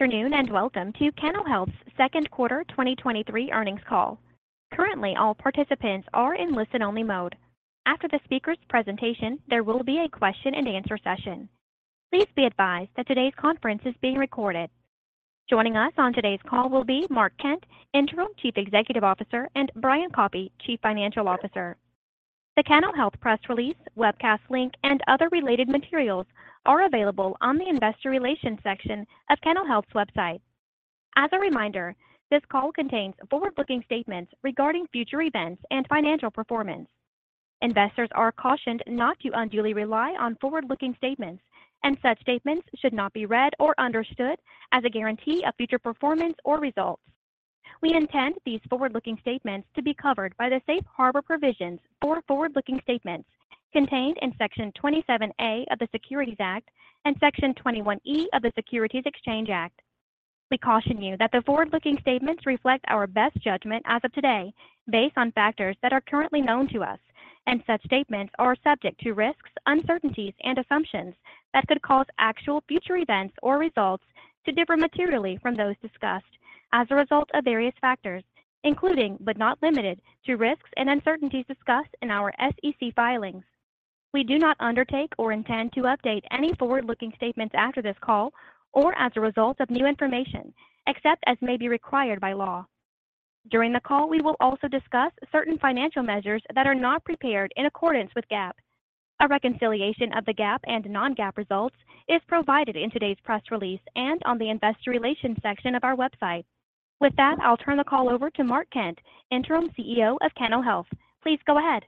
Welcome to Cano Health's second quarter 2023 earnings call. Currently, all participants are in listen-only mode. After the speaker's presentation, there will be a question and answer session. Please be advised that today's conference is being recorded. Joining us on today's call will be Mark Kent, Interim Chief Executive Officer, and Brian Koppy, Chief Financial Officer. The Cano Health press release, webcast link, and other related materials are available on the investor relations section of Cano Health's website. As a reminder, this call contains forward-looking statements regarding future events and financial performance. Investors are cautioned not to unduly rely on forward-looking statements, such statements should not be read or understood as a guarantee of future performance or results. We intend these forward-looking statements to be covered by the safe harbor provisions for forward-looking statements contained in Section 27A of the Securities Act and Section 21E of the Securities Exchange Act. We caution you that the forward-looking statements reflect our best judgment as of today, based on factors that are currently known to us, and such statements are subject to risks, uncertainties, and assumptions that could cause actual future events or results to differ materially from those discussed as a result of various factors, including, but not limited to, risks and uncertainties discussed in our SEC filings. We do not undertake or intend to update any forward-looking statements after this call or as a result of new information, except as may be required by law. During the call, we will also discuss certain financial measures that are not prepared in accordance with GAAP. A reconciliation of the GAAP and non-GAAP results is provided in today's press release and on the investor relations section of our website. With that, I'll turn the call over to Mark Kent, Interim CEO of Cano Health. Please go ahead.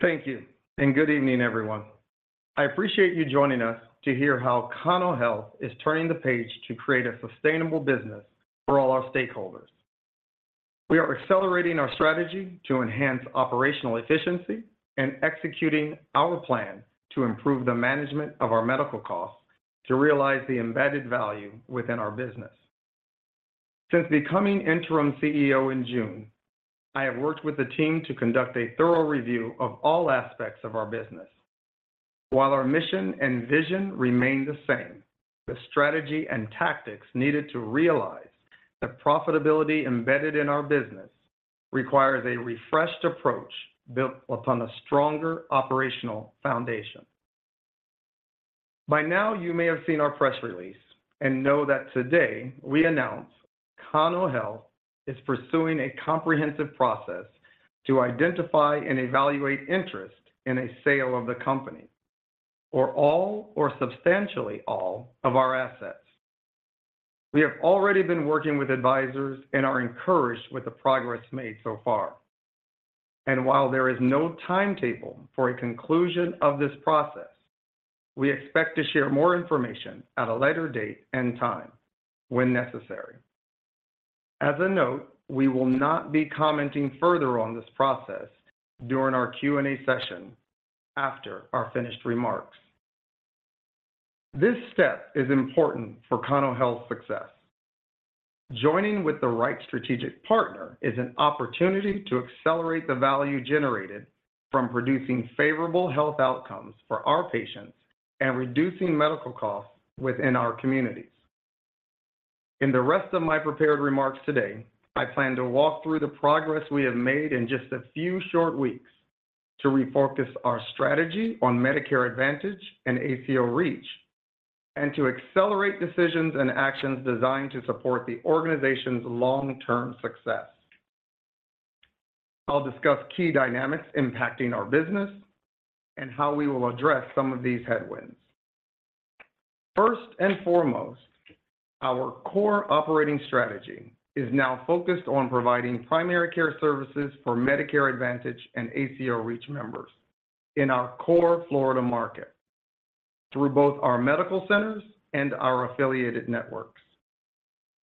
Thank you, and good evening, everyone. I appreciate you joining us to hear how Cano Health is turning the page to create a sustainable business for all our stakeholders. We are accelerating our strategy to enhance operational efficiency and executing our plan to improve the management of our medical costs to realize the embedded value within our business. Since becoming Interim CEO in June, I have worked with the team to conduct a thorough review of all aspects of our business. While our mission and vision remain the same, the strategy and tactics needed to realize the profitability embedded in our business requires a refreshed approach built upon a stronger operational foundation. By now, you may have seen our press release and know that today we announce Cano Health is pursuing a comprehensive process to identify and evaluate interest in a sale of the company, or all or substantially all of our assets. We have already been working with advisors and are encouraged with the progress made so far. While there is no timetable for a conclusion of this process, we expect to share more information at a later date and time when necessary. As a note, we will not be commenting further on this process during our Q&A session after our finished remarks. This step is important for Cano Health's success. Joining with the right strategic partner is an opportunity to accelerate the value generated from producing favorable health outcomes for our patients and reducing medical costs within our communities. In the rest of my prepared remarks today, I plan to walk through the progress we have made in just a few short weeks to refocus our strategy on Medicare Advantage and ACO REACH, and to accelerate decisions and actions designed to support the organization's long-term success. I'll discuss key dynamics impacting our business and how we will address some of these headwinds. First and foremost, our core operating strategy is now focused on providing primary care services for Medicare Advantage and ACO REACH members in our core Florida market through both our medical centers and our affiliated networks.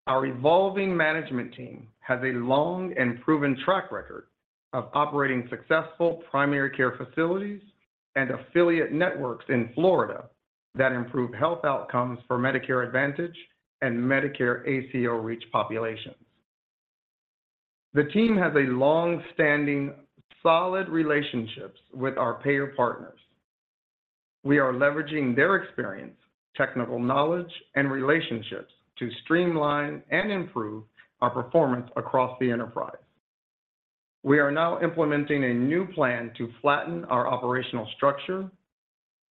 Our evolving management team has a long and proven track record of operating successful primary care facilities and affiliate networks in Florida that improve health outcomes for Medicare Advantage and Medicare ACO REACH populations. The team has a long-standing, solid relationships with our payer partners. We are leveraging their experience, technical knowledge, and relationships to streamline and improve our performance across the enterprise. We are now implementing a new plan to flatten our operational structure,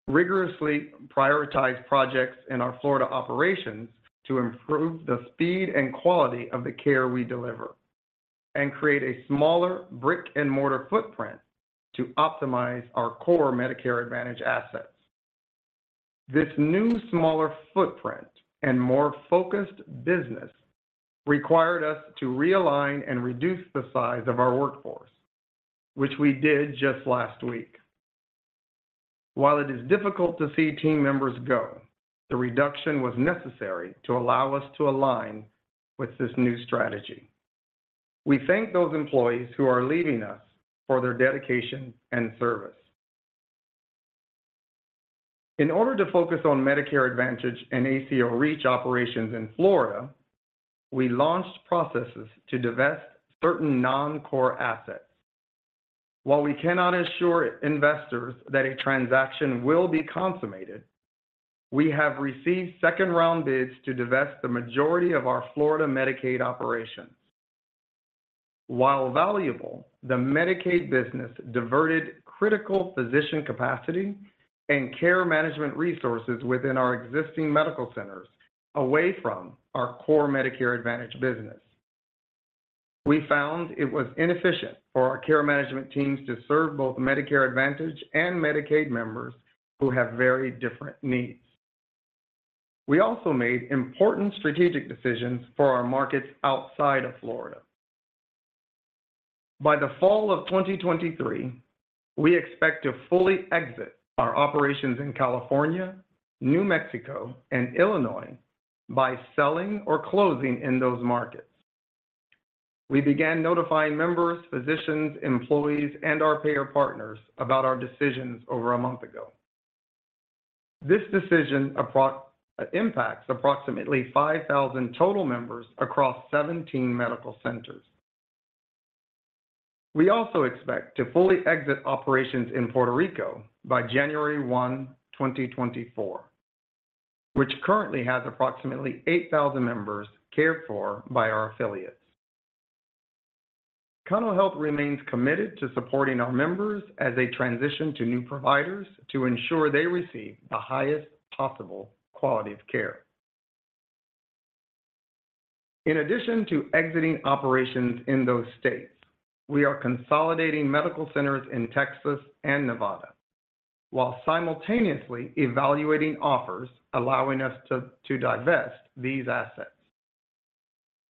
rigorously prioritize projects in our Florida operations to improve the speed and quality of the care we deliver, and create a smaller brick-and-mortar footprint to optimize our core Medicare Advantage assets. This new, smaller footprint and more focused business required us to realign and reduce the size of our workforce, which we did just last week. While it is difficult to see team members go, the reduction was necessary to allow us to align with this new strategy. We thank those employees who are leaving us for their dedication and service. In order to focus on Medicare Advantage and ACO REACH operations in Florida, we launched processes to divest certain non-core assets. While we cannot assure investors that a transaction will be consummated, we have received second-round bids to divest the majority of our Florida Medicaid operations. While valuable, the Medicaid business diverted critical physician capacity and care management resources within our existing medical centers away from our core Medicare Advantage business. We found it was inefficient for our care management teams to serve both Medicare Advantage and Medicaid members who have very different needs. We also made important strategic decisions for our markets outside of Florida. By the fall of 2023, we expect to fully exit our operations in California, New Mexico, and Illinois by selling or closing in those markets. We began notifying members, physicians, employees, and our payer partners about our decisions over a month ago. This decision impacts approximately 5,000 total members across 17 medical centers. We also expect to fully exit operations in Puerto Rico by January 1, 2024, which currently has approximately 8,000 members cared for by our affiliates. Cano Health remains committed to supporting our members as they transition to new providers to ensure they receive the highest possible quality of care. In addition to exiting operations in those states, we are consolidating medical centers in Texas and Nevada, while simultaneously evaluating offers, allowing us to divest these assets.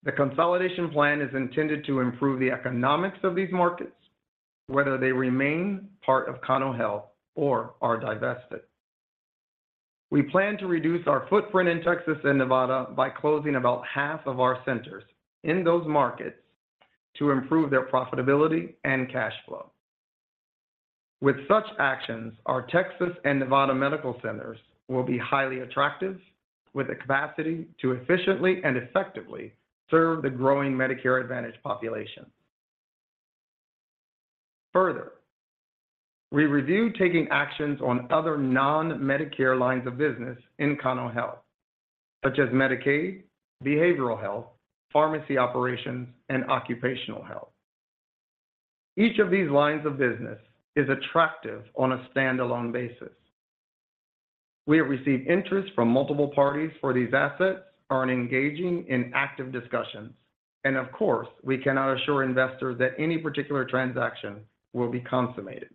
The consolidation plan is intended to improve the economics of these markets, whether they remain part of Cano Health or are divested. We plan to reduce our footprint in Texas and Nevada by closing about half of our centers in those markets to improve their profitability and cash flow. With such actions, our Texas and Nevada medical centers will be highly attractive, with a capacity to efficiently and effectively serve the growing Medicare Advantage population. Further, we review taking actions on other non-Medicare lines of business in Cano Health, such as Medicaid, behavioral health, pharmacy operations, and occupational health. Each of these lines of business is attractive on a standalone basis. We have received interest from multiple parties for these assets, are engaging in active discussions, and of course, we cannot assure investors that any particular transaction will be consummated.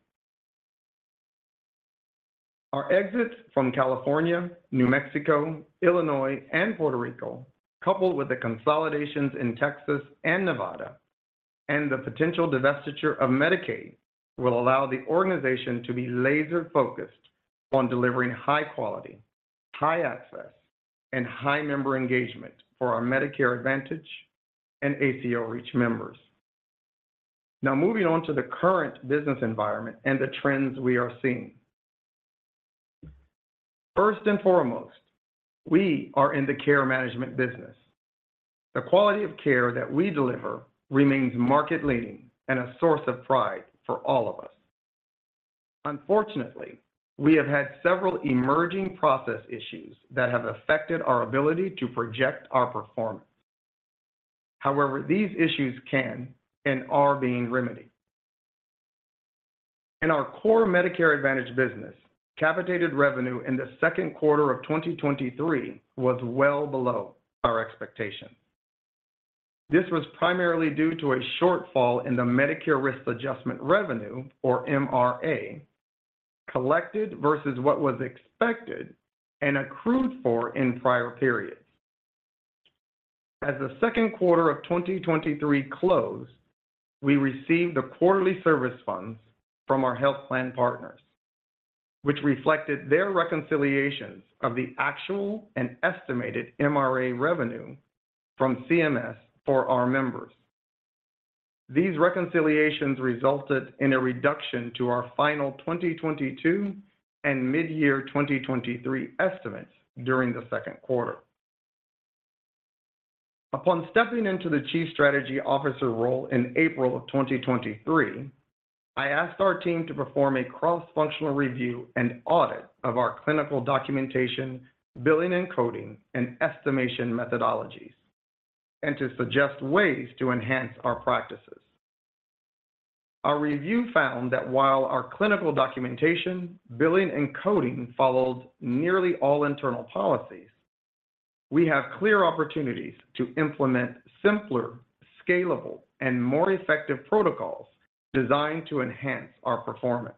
Our exits from California, New Mexico, Illinois, and Puerto Rico, coupled with the consolidations in Texas and Nevada, and the potential divestiture of Medicaid, will allow the organization to be laser-focused on delivering high quality, high access, and high member engagement for our Medicare Advantage and ACO REACH members. Now, moving on to the current business environment and the trends we are seeing. First and foremost, we are in the care management business. The quality of care that we deliver remains market-leading and a source of pride for all of us. Unfortunately, we have had several emerging process issues that have affected our ability to project our performance. However, these issues can and are being remedied. In our core Medicare Advantage business, capitated revenue in the second quarter of 2023 was well below our expectation. This was primarily due to a shortfall in the Medicare Risk Adjustment revenue, or MRA, collected versus what was expected and accrued for in prior periods. As the second quarter of 2023 closed, we received the quarterly service funds from our health plan partners, which reflected their reconciliations of the actual and estimated MRA revenue from CMS for our members. These reconciliations resulted in a reduction to our final 2022 and mid-year 2023 estimates during the second quarter. Upon stepping into the Chief Strategy Officer role in April of 2023, I asked our team to perform a cross-functional review and audit of our clinical documentation, billing and coding, and estimation methodologies, and to suggest ways to enhance our practices. Our review found that while our clinical documentation, billing, and coding followed nearly all internal policies, we have clear opportunities to implement simpler, scalable, and more effective protocols designed to enhance our performance.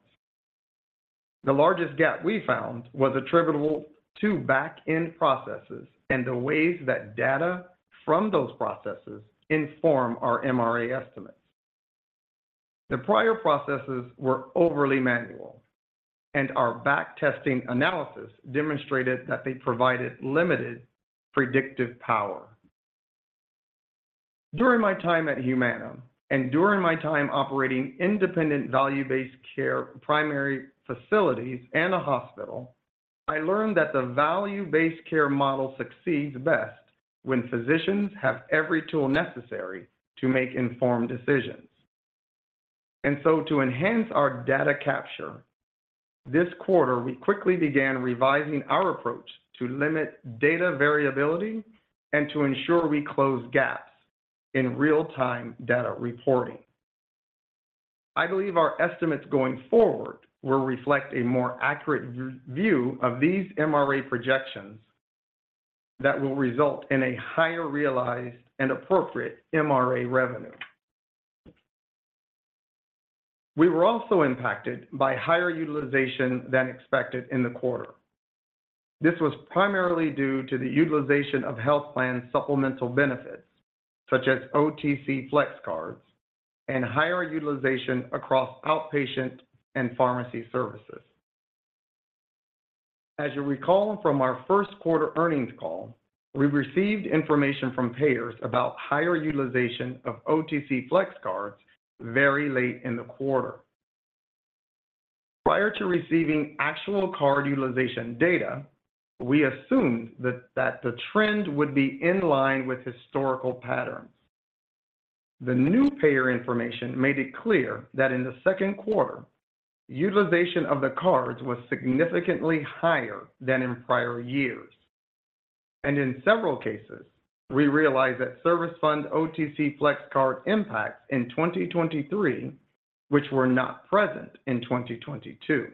The largest gap we found was attributable to back-end processes and the ways that data from those processes inform our MRA estimates. The prior processes were overly manual, and our back-testing analysis demonstrated that they provided limited predictive power. During my time at Humana and during my time operating independent value-based care primary facilities and a hospital. I learned that the value-based care model succeeds best when physicians have every tool necessary to make informed decisions. To enhance our data capture, this quarter, we quickly began revising our approach to limit data variability and to ensure we close gaps in real-time data reporting. I believe our estimates going forward will reflect a more accurate view of these MRA projections that will result in a higher realized and appropriate MRA revenue. We were also impacted by higher utilization than expected in the quarter. This was primarily due to the utilization of health plan supplemental benefits, such as OTC FlexCards, and higher utilization across outpatient and pharmacy services. As you recall from our first quarter earnings call, we received information from payers about higher utilization of OTC FlexCards very late in the quarter. Prior to receiving actual card utilization data, we assumed that the trend would be in line with historical patterns. The new payer information made it clear that in the second quarter, utilization of the cards was significantly higher than in prior years, and in several cases, we realized that service fund OTC FlexCards impacts in 2023, which were not present in 2022.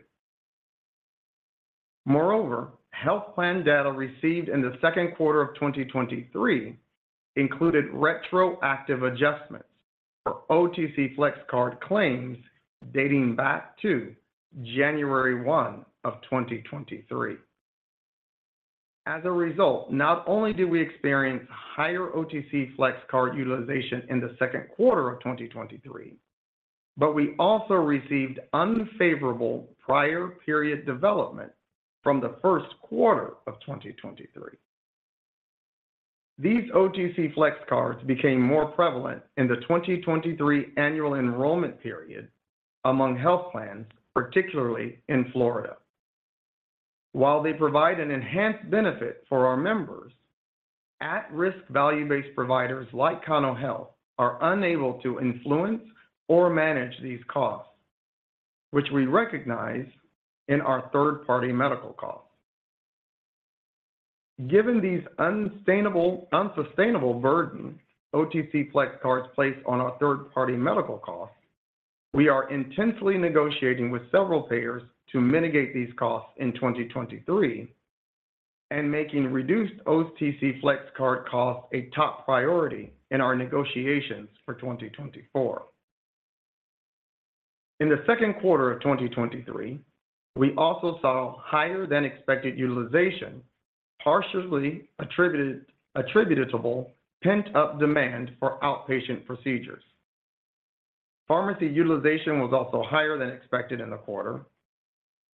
Moreover, health plan data received in the second quarter of 2023 included retroactive adjustments for OTC FlexCard claims dating back to January 1, 2023. As a result, not only did we experience higher OTC FlexCards utilization in the second quarter of 2023, but we also received unfavorable prior period development from the first quarter of 2023. These OTC FlexCards became more prevalent in the 2023 annual enrollment period among health plans, particularly in Florida. While they provide an enhanced benefit for our members, at-risk value-based providers like Cano Health are unable to influence or manage these costs, which we recognize in our third-party medical costs. Given these unsustainable burden OTC FlexCards place on our third-party medical costs, we are intensely negotiating with several payers to mitigate these costs in 2023 and making reduced OTC FlexCards costs a top priority in our negotiations for 2024. In the second quarter of 2023, we also saw higher-than-expected utilization, partially attributed, attributable to pent-up demand for outpatient procedures. Pharmacy utilization was also higher than expected in the quarter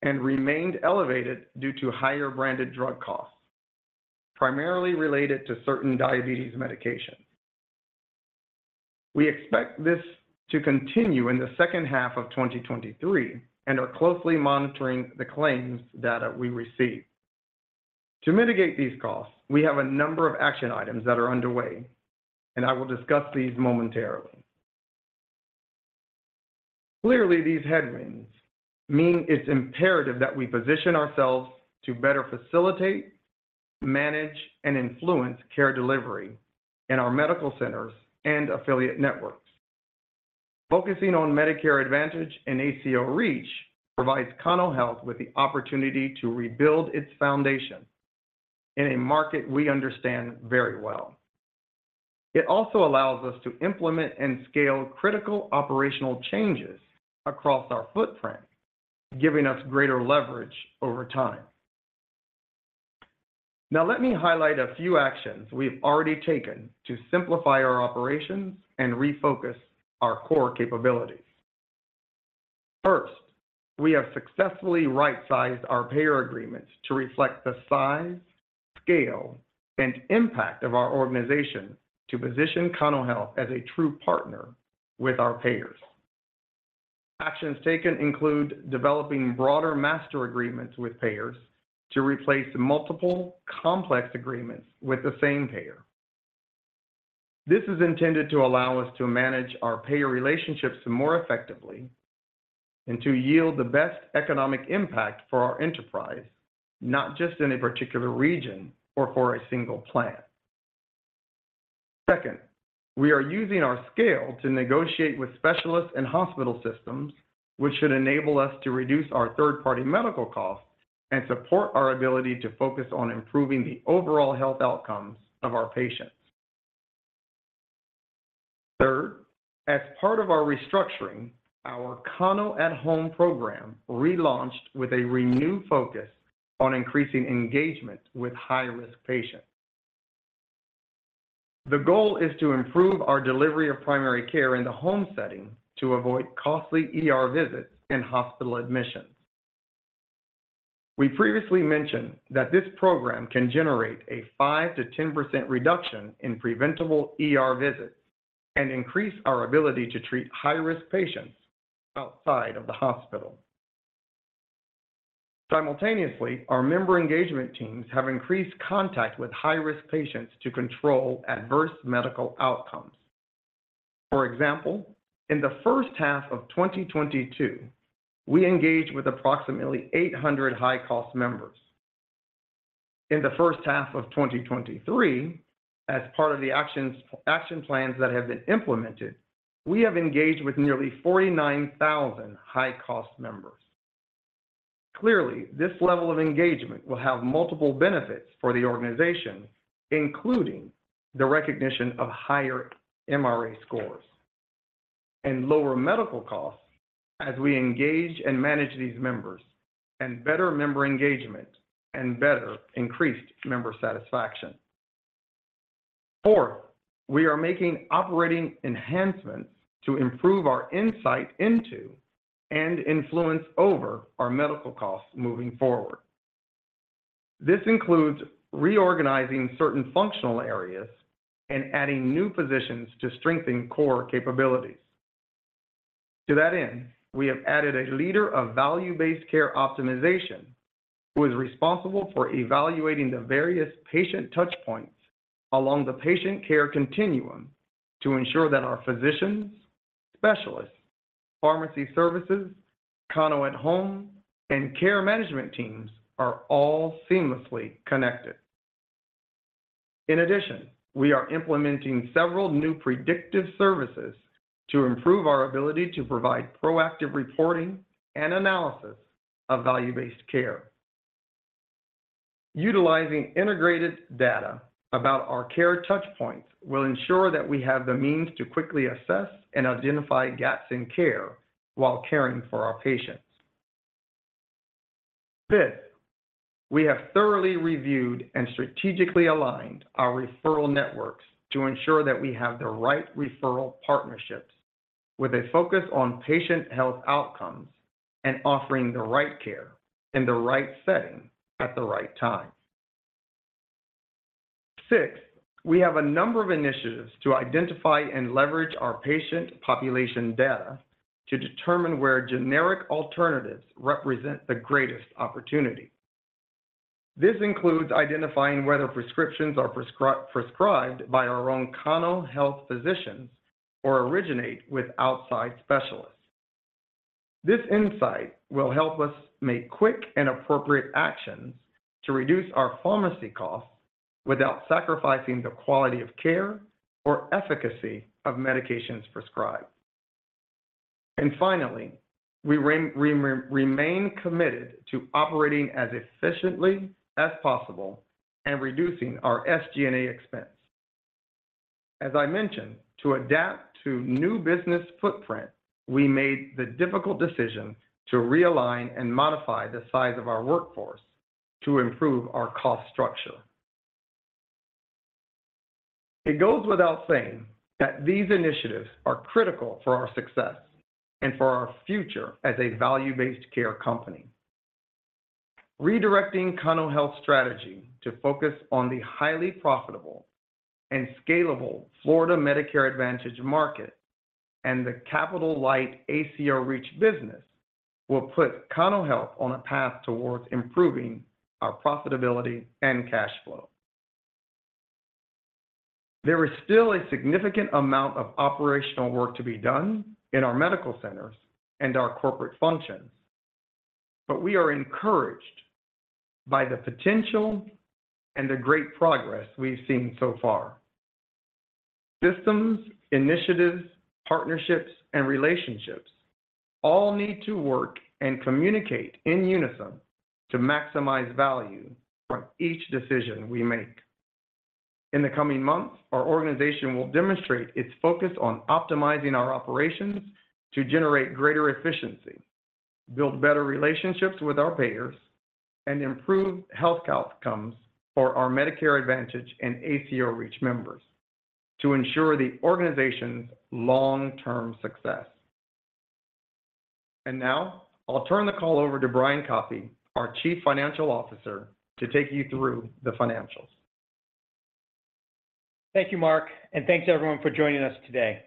and remained elevated due to higher branded drug costs, primarily related to certain diabetes medications. We expect this to continue in the second half of 2023 and are closely monitoring the claims data we receive. To mitigate these costs, we have a number of action items that are underway, and I will discuss these momentarily. Clearly, these headwinds mean it's imperative that we position ourselves to better facilitate, manage, and influence care delivery in our medical centers and affiliate networks. Focusing on Medicare Advantage and ACO REACH provides Cano Health with the opportunity to rebuild its foundation in a market we understand very well. It also allows us to implement and scale critical operational changes across our footprint, giving us greater leverage over time. Now, let me highlight a few actions we've already taken to simplify our operations and refocus our core capabilities. First, we have successfully right-sized our payer agreements to reflect the size, scale, and impact of our organization to position Cano Health as a true partner with our payers. Actions taken include developing broader master agreements with payers to replace multiple complex agreements with the same payer. This is intended to allow us to manage our payer relationships more effectively and to yield the best economic impact for our enterprise, not just in a particular region or for a single plan. Second, we are using our scale to negotiate with specialists and hospital systems, which should enable us to reduce our third-party medical costs and support our ability to focus on improving the overall health outcomes of our patients. Third, as part of our restructuring, our Cano at Home program relaunched with a renewed focus on increasing engagement with high-risk patients. The goal is to improve our delivery of primary care in the home setting to avoid costly ER visits and hospital admissions. We previously mentioned that this program can generate a 5%-10% reduction in preventable ER visits and increase our ability to treat high-risk patients outside of the hospital. Simultaneously, our member engagement teams have increased contact with high-risk patients to control adverse medical outcomes. For example, in the first half of 2022, we engaged with approximately 800 high-cost members. In the first half of 2023, as part of the actions, action plans that have been implemented, we have engaged with nearly 49,000 high-cost members. Clearly, this level of engagement will have multiple benefits for the organization, including the recognition of higher MRA scores and lower medical costs as we engage and manage these members, and better member engagement, and better increased member satisfaction. Fourth, we are making operating enhancements to improve our insight into and influence over our medical costs moving forward. This includes reorganizing certain functional areas and adding new positions to strengthen core capabilities. To that end, we have added a leader of value-based care optimization, who is responsible for evaluating the various patient touchpoints along the patient care continuum to ensure that our physicians, specialists, pharmacy services, Cano at Home, and care management teams are all seamlessly connected. We are implementing several new predictive services to improve our ability to provide proactive reporting and analysis of value-based care. Utilizing integrated data about our care touchpoints will ensure that we have the means to quickly assess and identify gaps in care while caring for our patients. Fifth, we have thoroughly reviewed and strategically aligned our referral networks to ensure that we have the right referral partnerships, with a focus on patient health outcomes and offering the right care in the right setting at the right time. Sixth, we have a number of initiatives to identify and leverage our patient population data to determine where generic alternatives represent the greatest opportunity. This includes identifying whether prescriptions are prescribed by our own Cano Health physicians or originate with outside specialists. This insight will help us make quick and appropriate actions to reduce our pharmacy costs without sacrificing the quality of care or efficacy of medications prescribed. Finally, we remain committed to operating as efficiently as possible and reducing our SG&A expense. As I mentioned, to adapt to new business footprint, we made the difficult decision to realign and modify the size of our workforce to improve our cost structure. It goes without saying that these initiatives are critical for our success and for our future as a value-based care company. Redirecting Cano Health's strategy to focus on the highly profitable and scalable Florida Medicare Advantage market and the capital-light ACO REACH business will put Cano Health on a path towards improving our profitability and cash flow. There is still a significant amount of operational work to be done in our medical centers and our corporate functions, but we are encouraged by the potential and the great progress we've seen so far. Systems, initiatives, partnerships, and relationships all need to work and communicate in unison to maximize value from each decision we make. In the coming months, our organization will demonstrate its focus on optimizing our operations to generate greater efficiency, build better relationships with our payers, and improve health outcomes for our Medicare Advantage and ACO REACH members to ensure the organization's long-term success. Now I'll turn the call over to Brian Koppy, our Chief Financial Officer, to take you through the financials. Thank you, Mark. Thanks, everyone, for joining us today.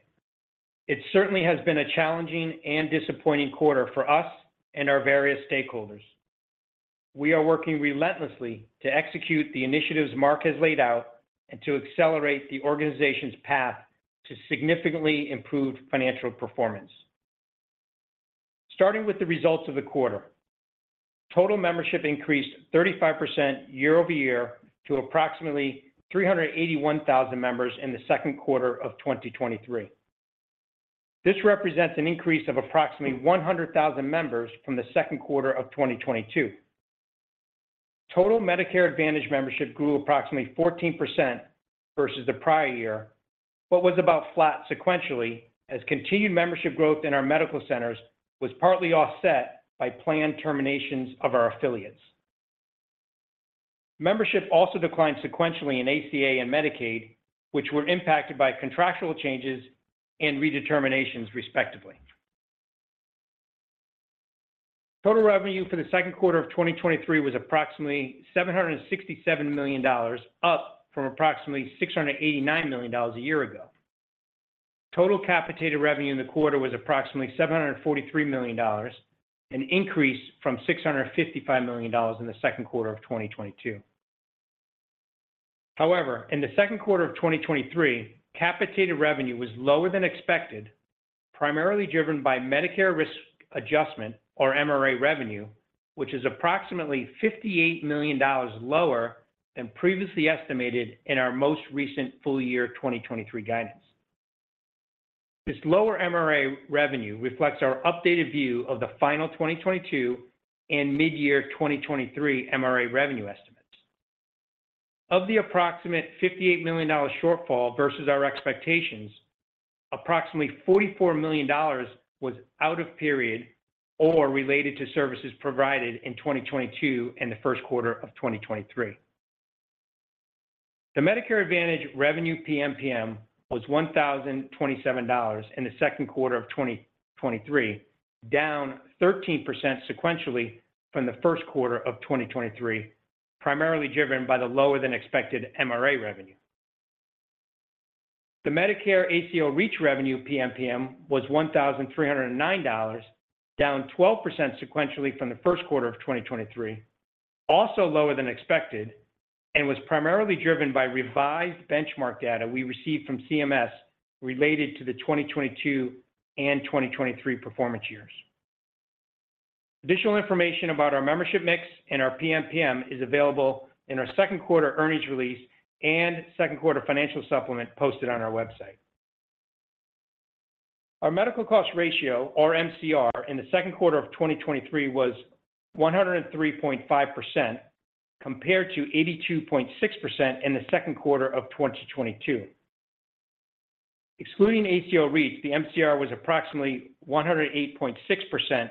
It certainly has been a challenging and disappointing quarter for us and our various stakeholders. We are working relentlessly to execute the initiatives Mark has laid out and to accelerate the organization's path to significantly improve financial performance. Starting with the results of the quarter, total membership increased 35% year-over-year to approximately 381,000 members in the second quarter of 2023. This represents an increase of approximately 100,000 members from the second quarter of 2022. Total Medicare Advantage membership grew approximately 14% versus the prior year, but was about flat sequentially, as continued membership growth in our medical centers was partly offset by planned terminations of our affiliates. Membership also declined sequentially in ACA and Medicaid, which were impacted by contractual changes and redeterminations, respectively. Total revenue for the second quarter of 2023 was approximately $767 million, up from approximately $689 million a year ago. Total capitated revenue in the quarter was approximately $743 million, an increase from $655 million in the second quarter of 2022. In the second quarter of 2023, capitated revenue was lower than expected, primarily driven by Medicare risk adjustment, or MRA revenue, which is approximately $58 million lower than previously estimated in our most recent full year, 2023 guidance. This lower MRA revenue reflects our updated view of the final 2022 and mid-year 2023 MRA revenue estimates. Of the approximate $58 million shortfall versus our expectations, approximately $44 million was out of period or related to services provided in 2022 and the first quarter of 2023. The Medicare Advantage revenue PMPM was $1,027 in the second quarter of 2023, down 13% sequentially from the first quarter of 2023, primarily driven by the lower than expected MRA revenue. The Medicare ACO REACH revenue PMPM was $1,309, down 12% sequentially from the first quarter of 2023, also lower than expected, and was primarily driven by revised benchmark data we received from CMS related to the 2022 and 2023 performance years. Additional information about our membership mix and our PMPM is available in our second quarter earnings release and second quarter financial supplement posted on our website. Our Medical Cost Ratio, or MCR, in the second quarter of 2023 was 103.5%, compared to 82.6% in the second quarter of 2022. Excluding ACO REACH, the MCR was approximately 108.6%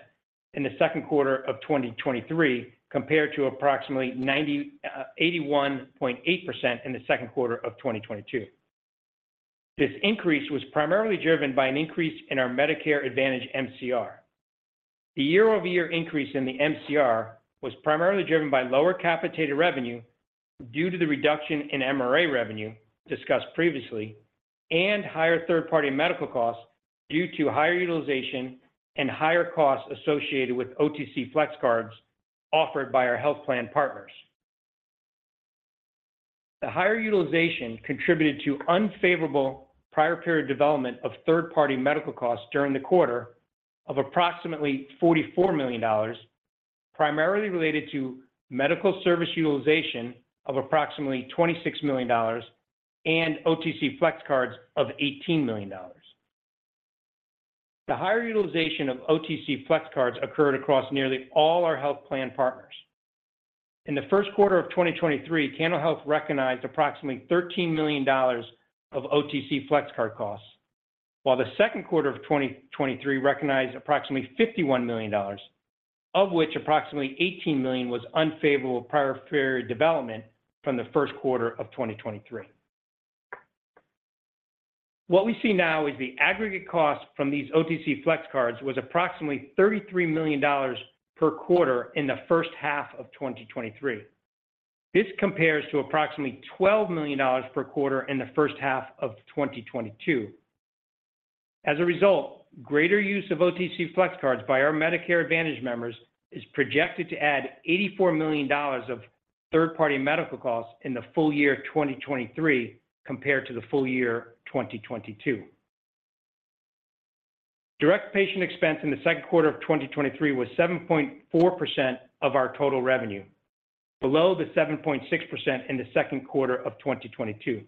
in the second quarter of 2023, compared to approximately 81.8% in the second quarter of 2022. This increase was primarily driven by an increase in our Medicare Advantage MCR. The year-over-year increase in the MCR was primarily driven by lower capitated revenue due to the reduction in MRA revenue discussed previously, and higher third-party medical costs due to higher utilization and higher costs associated with OTC FlexCards offered by our health plan partners. The higher utilization contributed to unfavorable prior period development of third-party medical costs during the quarter of approximately $44 million, primarily related to medical service utilization of approximately $26 million, and OTC FlexCards of $18 million. The higher utilization of OTC FlexCards occurred across nearly all our health plan partners. In the first quarter of 2023, Cano Health recognized approximately $13 million of OTC FlexCard costs, while the second quarter of 2023 recognized approximately $51 million, of which approximately $18 million was unfavorable prior period development from the first quarter of 2023. What we see now is the aggregate cost from these OTC FlexCards was approximately $33 million per quarter in the first half of 2023. This compares to approximately $12 million per quarter in the first half of 2022. As a result, greater use of OTC FlexCards by our Medicare Advantage members is projected to add $84 million of third-party medical costs in the full year 2023, compared to the full year 2022. direct patient expense in the second quarter of 2023 was 7.4% of our total revenue, below the 7.6% in the second quarter of 2022.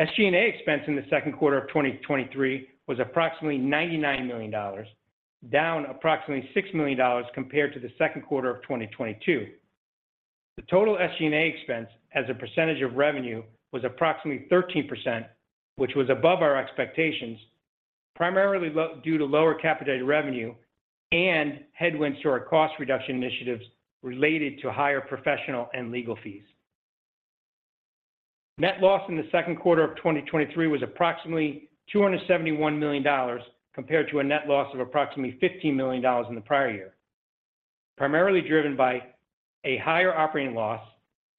SG&A expense in the second quarter of 2023 was approximately $99 million, down approximately $6 million compared to the second quarter of 2022. The total SG&A expense, as a percentage of revenue, was approximately 13%, which was above our expectations, primarily due to lower capitated revenue and headwinds to our cost reduction initiatives related to higher professional and legal fees. Net loss in the second quarter of 2023 was approximately $271 million, compared to a net loss of approximately $15 million in the prior year, primarily driven by a higher operating loss,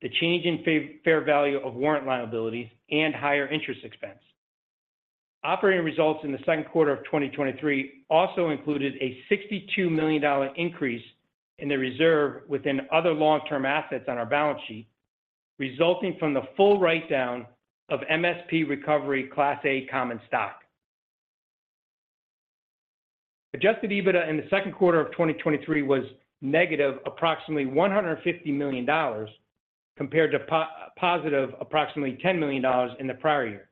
the change in fair value of warrant liabilities, and higher interest expense. Operating results in the second quarter of 2023 also included a $62 million increase in the reserve within other long-term assets on our balance sheet, resulting from the full write-down of MSP Recovery Class A common stock. Adjusted EBITDA in the second quarter of 2023 was negative, approximately $150 million, compared to positive approximately $10 million in the prior year.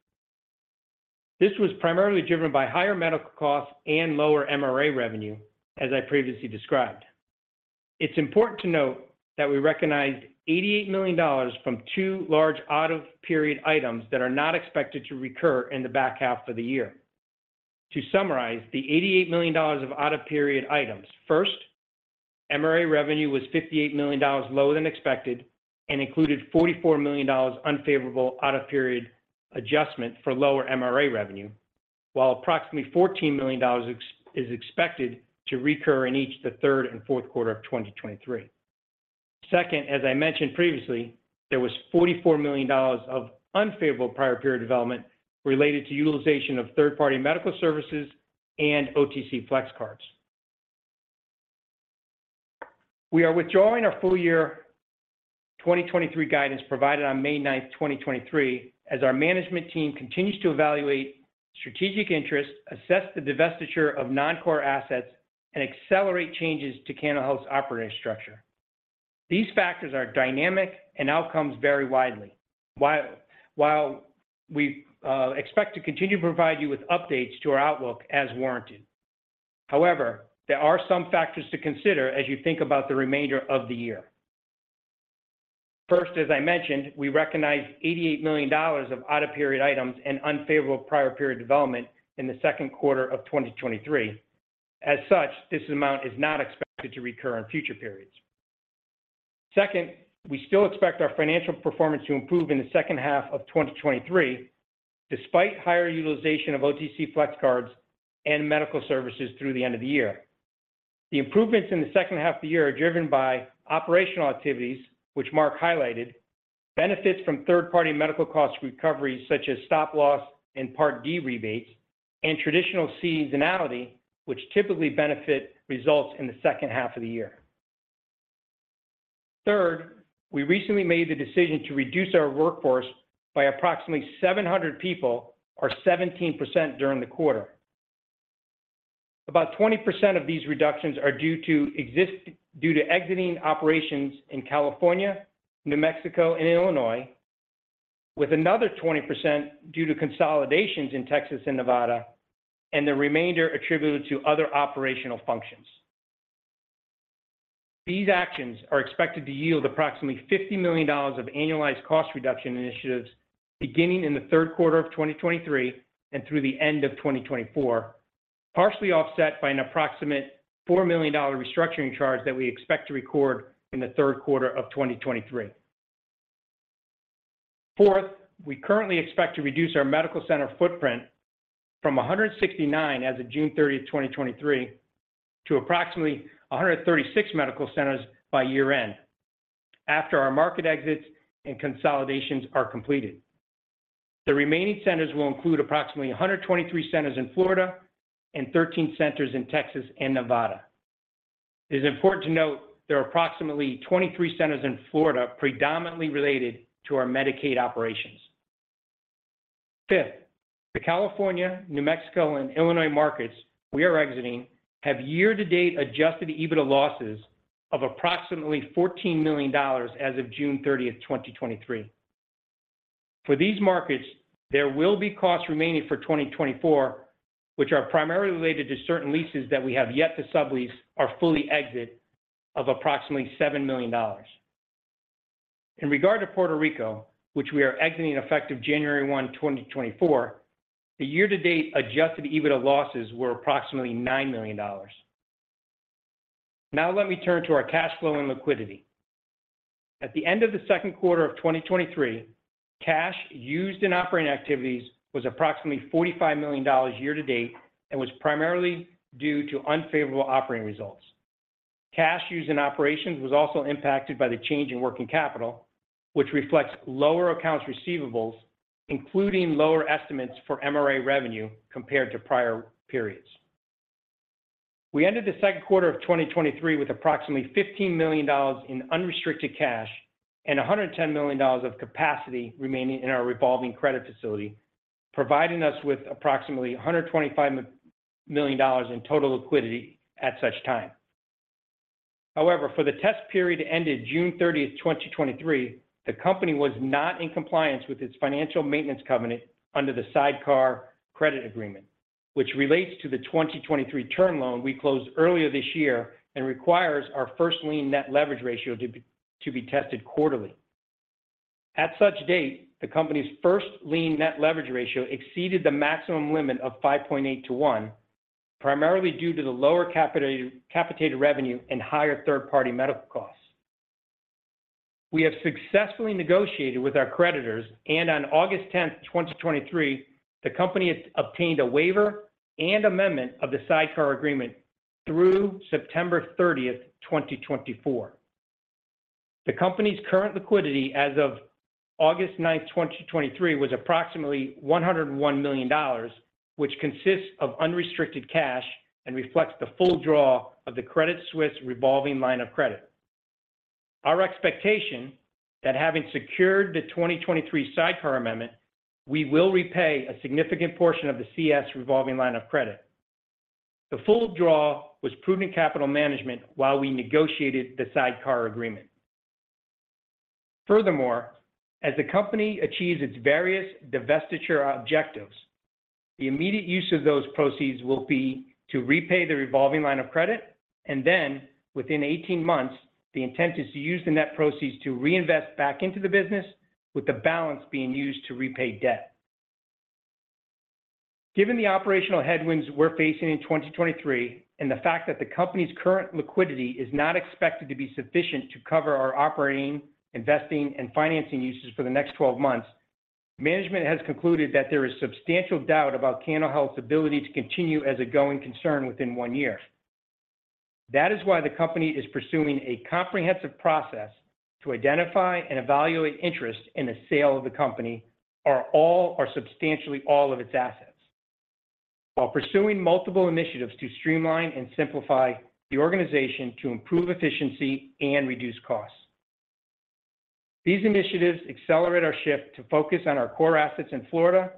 This was primarily driven by higher medical costs and lower MRA revenue, as I previously described. It's important to note that we recognized $88 million from two large out-of-period items that are not expected to recur in the back half of the year. To summarize, the $88 million of out-of-period items: First, MRA revenue was $58 million lower than expected and included $44 million unfavorable out-of-period adjustment for lower MRA revenue, while approximately $14 million is expected to recur in each the third and fourth quarter of 2023. Second, as I mentioned previously, there was $44 million of unfavorable prior period development related to utilization of third-party medical services and OTC FlexCards. We are withdrawing our full year 2023 guidance provided on May 9, 2023, as our management team continues to evaluate strategic interests, assess the divestiture of non-core assets, and accelerate changes to Cano Health's operating structure. These factors are dynamic and outcomes vary widely. While we expect to continue to provide you with updates to our outlook as warranted. However, there are some factors to consider as you think about the remainder of the year. First, as I mentioned, we recognized $88 million of out-of-period items and unfavorable prior period development in the second quarter of 2023. As such, this amount is not expected to recur in future periods. Second, we still expect our financial performance to improve in the second half of 2023, despite higher utilization of OTC FlexCards and medical services through the end of the year. The improvements in the second half of the year are driven by operational activities, which Mark highlighted, benefits from third-party medical cost recoveries, such as stop loss and Part D rebates, and traditional seasonality, which typically benefit results in the second half of the year. Third, we recently made the decision to reduce our workforce by approximately 700 people or 17% during the quarter. About 20% of these reductions are due to exiting operations in California, New Mexico, and Illinois, with another 20% due to consolidations in Texas and Nevada, and the remainder attributed to other operational functions. These actions are expected to yield approximately $50 million of annualized cost reduction initiatives beginning in the third quarter of 2023 and through the end of 2024, partially offset by an approximate $4 million restructuring charge that we expect to record in the third quarter of 2023. Fourth, we currently expect to reduce our medical center footprint from 169 as of June 30, 2023, to approximately 136 medical centers by year-end, after our market exits and consolidations are completed. The remaining centers will include approximately 123 centers in Florida and 13 centers in Texas and Nevada. It is important to note there are approximately 23 centers in Florida, predominantly related to our Medicaid operations. Fifth, the California, New Mexico, and Illinois markets we are exiting have year-to-date Adjusted EBITDA losses of approximately $14 million as of June 30, 2023. For these markets, there will be costs remaining for 2024, which are primarily related to certain leases that we have yet to sublease or fully exit of approximately $7 million. In regard to Puerto Rico, which we are exiting effective January 1, 2024, the year-to-date Adjusted EBITDA losses were approximately $9 million. Let me turn to our cash flow and liquidity. At the end of the second quarter of 2023, cash used in operating activities was approximately $45 million year to date and was primarily due to unfavorable operating results. Cash used in operations was also impacted by the change in working capital, which reflects lower accounts receivables, including lower estimates for MRA revenue compared to prior periods. We ended the second quarter of 2023 with approximately $15 million in unrestricted cash and $110 million of capacity remaining in our revolving credit facility, providing us with approximately $125 million in total liquidity at such time. For the test period ended June 30, 2023, the company was not in compliance with its financial maintenance covenant under the Side-Car Credit Agreement, which relates to the 2023 term loan we closed earlier this year and requires our first-lien net leverage ratio to be tested quarterly. At such date, the company's first-lien net leverage ratio exceeded the maximum limit of 5.8 to one, primarily due to the lower capitated revenue and higher third-party medical costs. We have successfully negotiated with our creditors, on August 10, 2023, the company has obtained a waiver and amendment of the Side-Car Credit Agreement through September 30, 2024. The company's current liquidity as of August 9, 2023, was approximately $101 million, which consists of unrestricted cash and reflects the full draw of the Credit Suisse revolving line of credit. Our expectation that having secured the 2023 Side-Car Credit Agreement amendment, we will repay a significant portion of the CS revolving line of credit. The full draw was prudent capital management while we negotiated the Side-Car Credit Agreement. As the company achieves its various divestiture objectives, the immediate use of those proceeds will be to repay the revolving line of credit, and then within 18 months, the intent is to use the net proceeds to reinvest back into the business, with the balance being used to repay debt. Given the operational headwinds we're facing in 2023, and the fact that the company's current liquidity is not expected to be sufficient to cover our operating, investing, and financing uses for the next 12 months, management has concluded that there is substantial doubt about Cano Health's ability to continue as a going concern within one year. That is why the company is pursuing a comprehensive process to identify and evaluate interest in the sale of the company, or all, or substantially all of its assets, while pursuing multiple initiatives to streamline and simplify the organization to improve efficiency and reduce costs. These initiatives accelerate our shift to focus on our core assets in Florida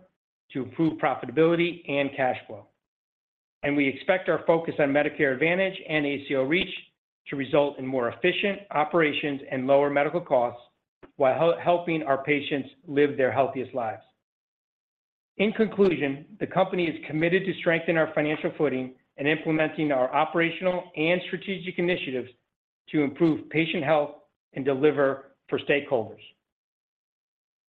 to improve profitability and cash flow. We expect our focus on Medicare Advantage and ACO REACH to result in more efficient operations and lower medical costs, while helping our patients live their healthiest lives. In conclusion, the company is committed to strengthen our financial footing and implementing our operational and strategic initiatives to improve patient health and deliver for stakeholders.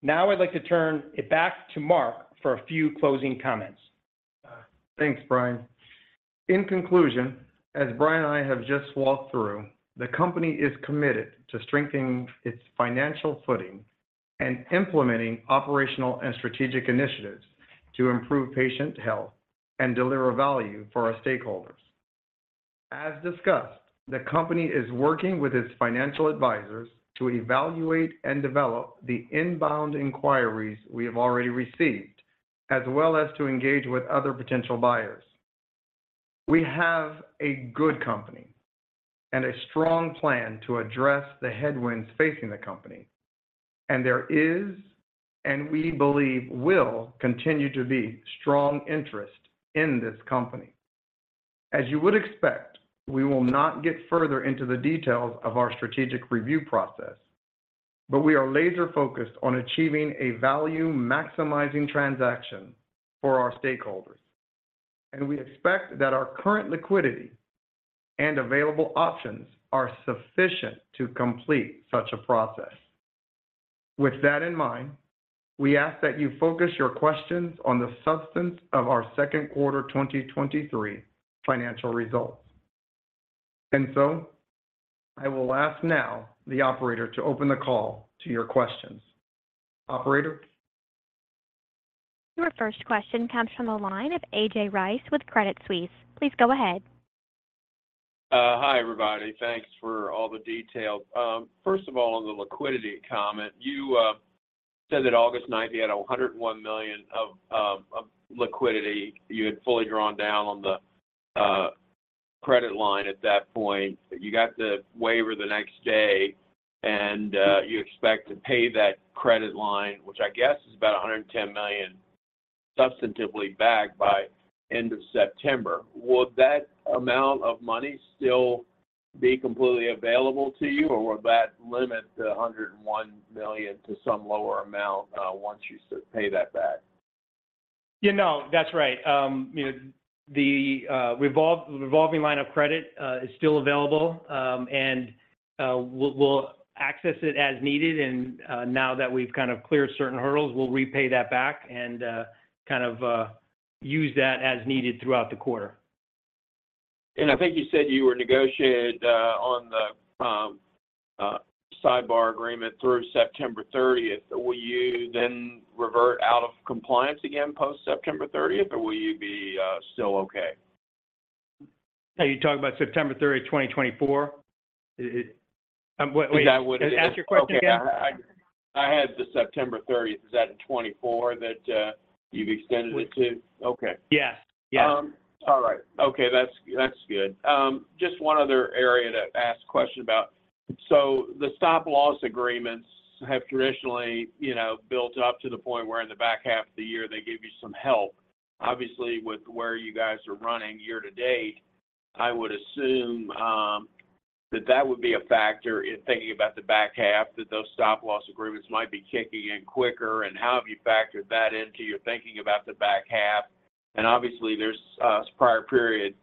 Now, I'd like to turn it back to Mark for a few closing comments. Thanks, Brian. In conclusion, as Brian and I have just walked through, the company is committed to strengthening its financial footing and implementing operational and strategic initiatives to improve patient health and deliver value for our stakeholders. As discussed, the company is working with its financial advisors to evaluate and develop the inbound inquiries we have already received, as well as to engage with other potential buyers. We have a good company and a strong plan to address the headwinds facing the company, and there is, and we believe will continue to be, strong interest in this company. As you would expect, we will not get further into the details of our strategic review process, but we are laser-focused on achieving a value-maximizing transaction for our stakeholders. We expect that our current liquidity and available options are sufficient to complete such a process. With that in mind, we ask that you focus your questions on the substance of our second quarter 2023 financial results. I will ask now the operator to open the call to your questions. Operator? Your first question comes from the line of A.J. Rice with Credit Suisse. Please go ahead. Hi, everybody. Thanks for all the detail. First of all, on the liquidity comment, you said that August ninth, you had $101 million of liquidity. You had fully drawn down on the credit line at that point. You got the waiver the next day, and you expect to pay that credit line, which I guess is about $110 million, substantively backed by end of September. Would that amount of money still be completely available to you, or would that limit the $101 million to some lower amount, once you pay that back? Yeah, no, that's right. You know, the revolving line of credit is still available, and we'll access it as needed. Now that we've kind of cleared certain hurdles, we'll repay that back and kind of use that as needed throughout the quarter. I think you said you were negotiated on the Side-Car Credit Agreement through September 30th. Will you then revert out of compliance again post-September 30th, or will you be still okay? Are you talking about September 30th, 2024? Yes, I would- Ask your question again. I, I had the September 30th. Is that in 2024 that you've extended it to? We- Okay. Yes. Yes. All right. Okay, that's, that's good. Just one other area to ask question about: the stop-loss agreements have traditionally, you know, built up to the point where in the back half of the year, they give you some help. Obviously, with where you guys are running year to date, I would assume that that would be a factor in thinking about the back half, that those stop-loss agreements might be kicking in quicker, how have you factored that into your thinking about the back half? Obviously, there's prior period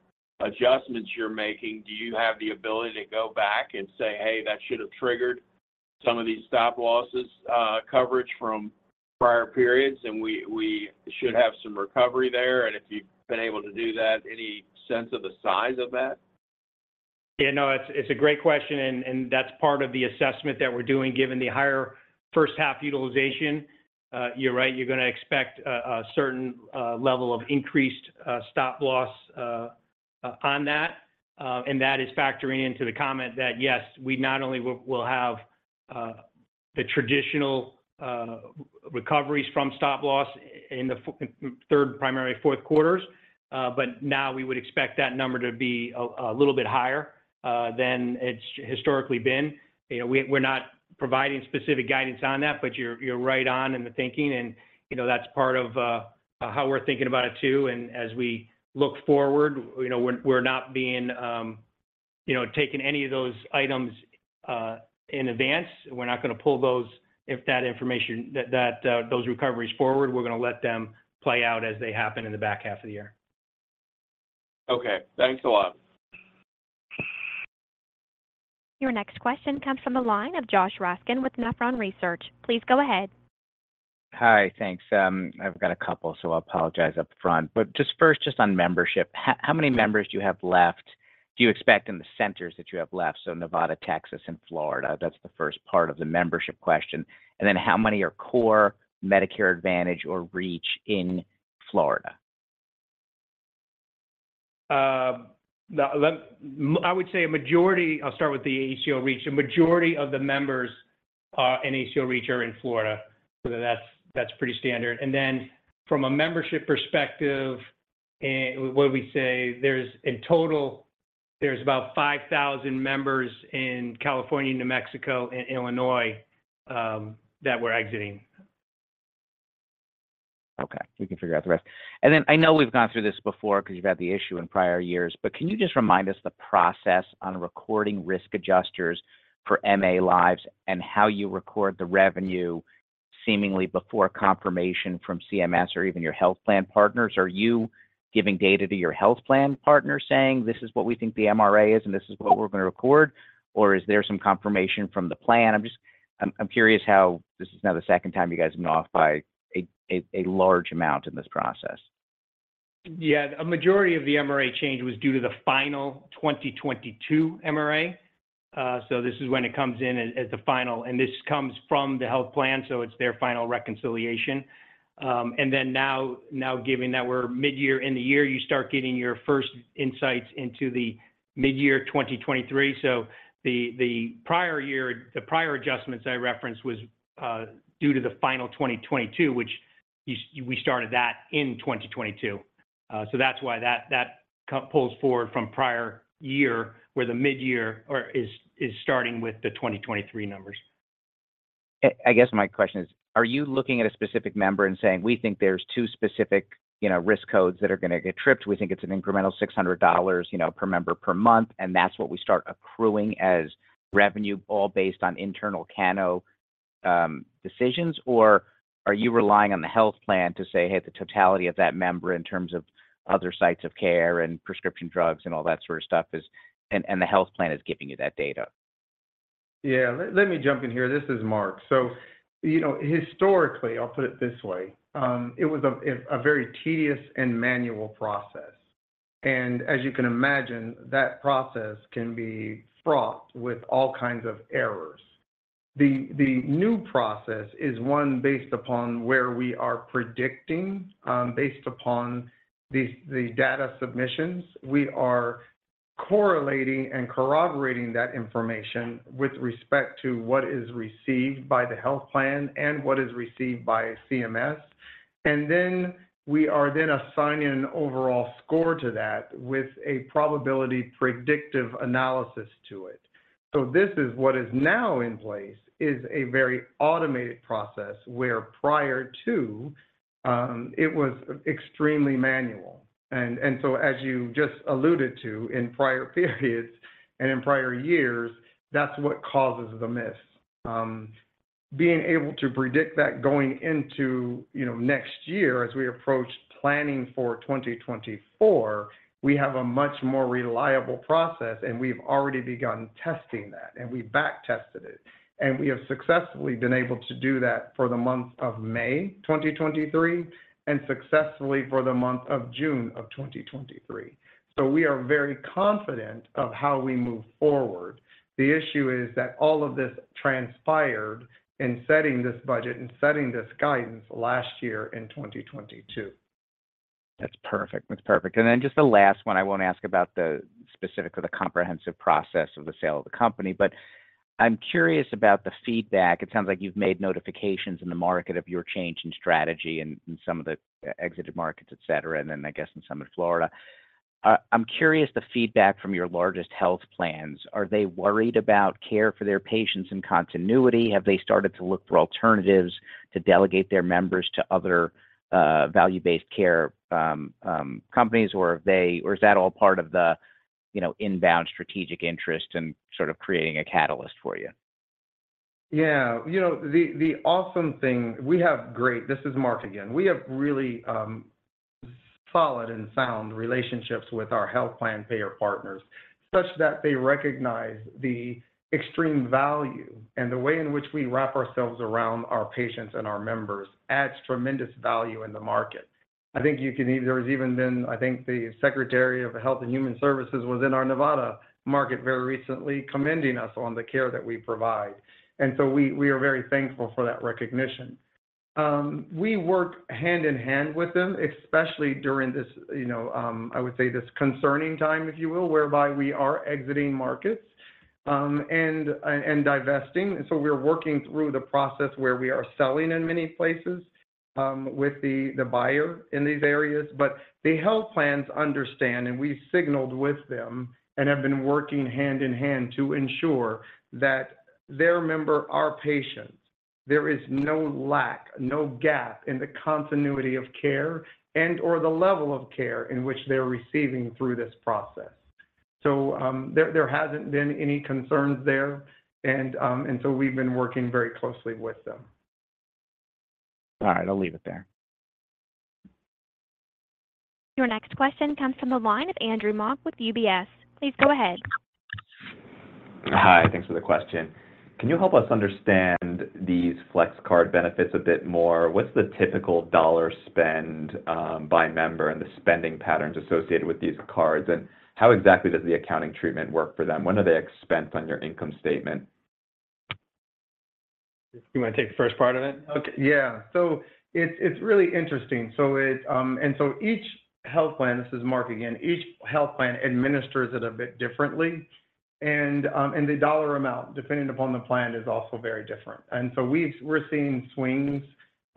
adjustments you're making. Do you have the ability to go back and say, "Hey, that should have triggered some of these stop-losses coverage from prior periods, and we, we should have some recovery there"? If you've been able to do that, any sense of the size of that? Yeah, no, it's, it's a great question, and, and that's part of the assessment that we're doing, given the higher first half utilization. You're right, you're gonna expect a, a certain level of increased stop-loss on that. That is factoring into the comment that, yes, we not only will, will have the traditional recoveries from stop-loss in the third, primary fourth quarters, but now we would expect that number to be a little bit higher than it's historically been. You know, we, we're not providing specific guidance on that, but you're, you're right on in the thinking, and, you know, that's part of how we're thinking about it, too. As we look forward, you know, we're, we're not being, you know, taking any of those items in advance. We're not gonna pull those, if that information, that, that, those recoveries forward, we're gonna let them play out as they happen in the back half of the year. Okay. Thanks a lot. Your next question comes from the line of Josh Raskin with Nephron Research. Please go ahead. Hi, thanks. I've got a couple, so I apologize upfront, but just first, just on membership, how many members do you have left? Do you expect in the centers that you have left, so Nevada, Texas, and Florida? That's the first part of the membership question. Then how many are core Medicare Advantage or ACO REACH in Florida? I would say a majority... I'll start with the ACO REACH. A majority of the members in ACO REACH are in Florida. That's, that's pretty standard. From a membership perspective, what we say, there's, in total, there's about 5,000 members in California, New Mexico, and Illinois, that we're exiting. Okay, we can figure out the rest. I know we've gone through this before because you've had the issue in prior years, but can you just remind us the process on recording risk adjusters for MA Lives and how you record the revenue seemingly before confirmation from CMS or even your health plan partners? Are you giving data to your health plan partner saying, "This is what we think the MRA is, and this is what we're going to record," or is there some confirmation from the plan? I'm curious how this is now the second time you guys are off by a large amount in this process. Yeah. A majority of the MRA change was due to the final 2022 MRA. This is when it comes in as, as the final, and this comes from the health plan, so it's their final reconciliation. Now, now, given that we're midyear in the year, you start getting your first insights into the midyear 2023. The, the prior year, the prior adjustments I referenced was due to the final 2022, which we started that in 2022. That's why that, that pulls forward from prior year, where the midyear or is starting with the 2023 numbers. I, I guess my question is, are you looking at a specific member and saying: "We think there's two specific, you know, risk codes that are going to get tripped. We think it's an incremental $600, you know, per member, per month, and that's what we start accruing as revenue, all based on internal Cano decisions?" Or are you relying on the health plan to say, "Hey, the totality of that member in terms of other sites of care and prescription drugs and all that sort of stuff is..." and the health plan is giving you that data? Yeah. Let me jump in here. This is Mark. You know, historically, I'll put it this way, it was a very tedious and manual process, and as you can imagine, that process can be fraught with all kinds of errors. The new process is one based upon where we are predicting, based upon the data submissions. We are correlating and corroborating that information with respect to what is received by the health plan and what is received by CMS, and then we are then assigning an overall score to that with a probability predictive analysis to it. This is what is now in place, is a very automated process, where prior to, it was extremely manual. As you just alluded to in prior periods and in prior years, that's what causes the miss. Being able to predict that going into, you know, next year as we approach planning for 2024, we have a much more reliable process, and we've already begun testing that, and we back tested it. We have successfully been able to do that for the month of May 2023 and successfully for the month of June 2023. We are very confident of how we move forward. The issue is that all of this transpired in setting this budget, in setting this guidance last year in 2022. That's perfect. That's perfect. Just the last one. I won't ask about the specifics of the comprehensive process of the sale of the company, but I'm curious about the feedback. It sounds like you've made notifications in the market of your change in strategy and, and some of the exited markets, et cetera, and then I guess in some of Florida. I'm curious, the feedback from your largest health plans, are they worried about care for their patients and continuity? Have they started to look for alternatives to delegate their members to other value-based care companies, or is that all part of the, you know, inbound strategic interest in sort of creating a catalyst for you? Yeah. You know, the, the awesome thing, we have great, This is Mark again. We have really, solid and sound relationships with our health plan payer partners, such that they recognize the extreme value, and the way in which we wrap ourselves around our patients and our members adds tremendous value in the market. I think you can there's even been, I think, the Secretary of Health and Human Services was in our Nevada market very recently, commending us on the care that we provide, we, we are very thankful for that recognition. We work hand in hand with them, especially during this, you know, I would say, this concerning time, if you will, whereby we are exiting markets, and, and, and divesting. We're working through the process where we are selling in many places, with the, the buyer in these areas. The health plans understand, and we signaled with them and have been working hand in hand to ensure that their member, our patients, there is no lack, no gap in the continuity of care and or the level of care in which they're receiving through this process. There, there hasn't been any concerns there, and so we've been working very closely with them. All right. I'll leave it there. Your next question comes from the line of Andrew Mok with UBS. Please go ahead. Hi, thanks for the question. Can you help us understand these OTC FlexCards benefits a bit more? What's the typical dollar spend, by member and the spending patterns associated with these cards? And how exactly does the accounting treatment work for them? When are they expensed on your income statement? You want to take the first part of it? Okay, yeah. It's, it's really interesting. Each health plan, this is Mark again, each health plan administers it a bit differently. The dollar amount, depending upon the plan, is also very different. We're seeing swings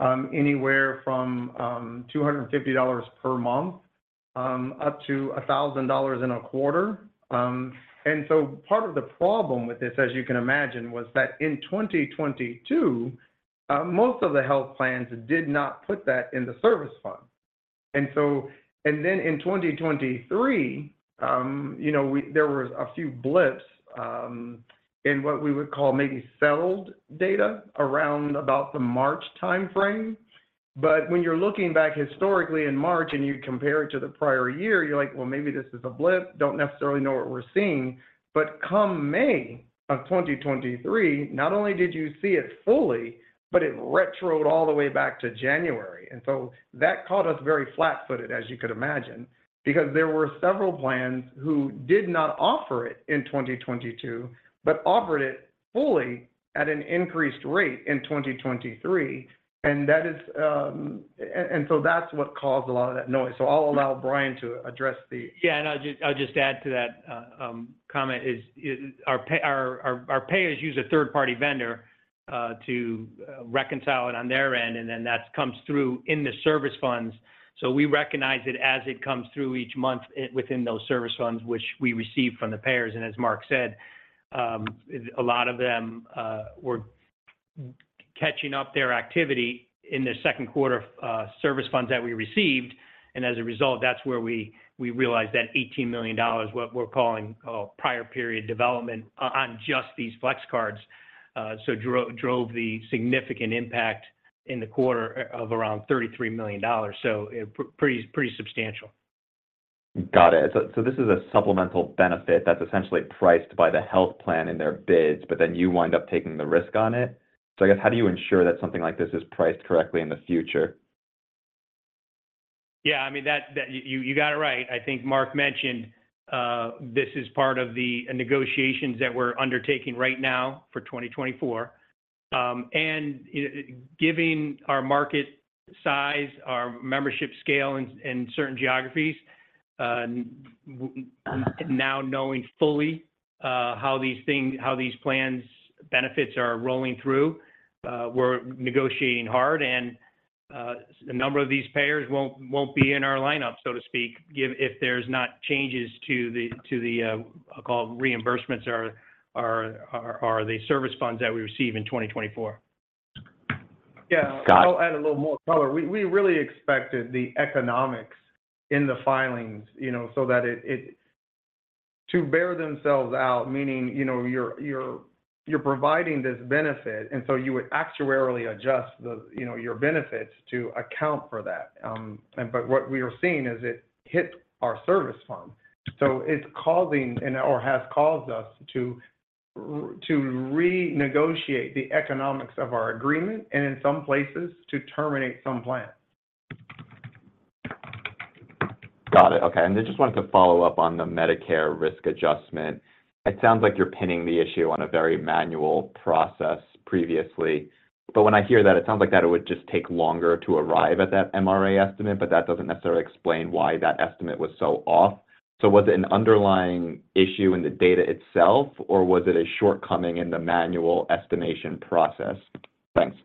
anywhere from $250 per month up to $1,000 in a quarter. Part of the problem with this, as you can imagine, was that in 2022, most of the health plans did not put that in the service fund. Then in 2023, you know, we, there were a few blips in what we would call maybe settled data around about the March time frame. When you're looking back historically in March and you compare it to the prior year, you're like: Well, maybe this is a blip, don't necessarily know what we're seeing. Come May of 2023, not only did you see it fully, but it retroed all the way back to January. That caught us very flat-footed, as you could imagine, because there were several plans who did not offer it in 2022, but offered it fully at an increased rate in 2023. That is, and, and so that's what caused a lot of that noise. I'll allow Brian to address the- Yeah, and I'll just, I'll just add to that comment is, is our, our, our payers use a third-party vendor to reconcile it on their end, and then that comes through in the service funds. We recognize it as it comes through each month within those service funds, which we receive from the payers. As Mark said, a lot of them were catching up their activity in their second quarter service funds that we received, and as a result, that's where we realized that $18 million, what we're calling a prior period development on just these OTC FlexCards, so drove the significant impact in the quarter of around $33 million. Pretty, pretty substantial. Got it. This is a supplemental benefit that's essentially priced by the health plan in their bids, but then you wind up taking the risk on it. I guess, how do you ensure that something like this is priced correctly in the future? Yeah, I mean, that, that, you, you got it right. I think Mark mentioned, this is part of the negotiations that we're undertaking right now for 2024. Giving our market size, our membership scale in, in certain geographies, now knowing fully, how these things, how these plans benefits are rolling through, we're negotiating hard, and a number of these payers won't, won't be in our lineup, so to speak, if there's not changes to the, to the, call reimbursements or, or, or, or the service funds that we receive in 2024. Yeah. Got it. I'll add a little more color. We really expected the economics in the filings, you know, so that to bear themselves out, meaning, you know, you're, you're, you're providing this benefit, and so you would actuarially adjust the, you know, your benefits to account for that. What we are seeing is it hit our service fund. It's causing, and or has caused us to renegotiate the economics of our agreement, and in some places, to terminate some plans. Got it. Okay, I just wanted to follow up on the Medicare risk adjustment. It sounds like you're pinning the issue on a very manual process previously, but when I hear that, it sounds like that it would just take longer to arrive at that MRA estimate, but that doesn't necessarily explain why that estimate was so off. Was it an underlying issue in the data itself, or was it a shortcoming in the manual estimation process? Thanks.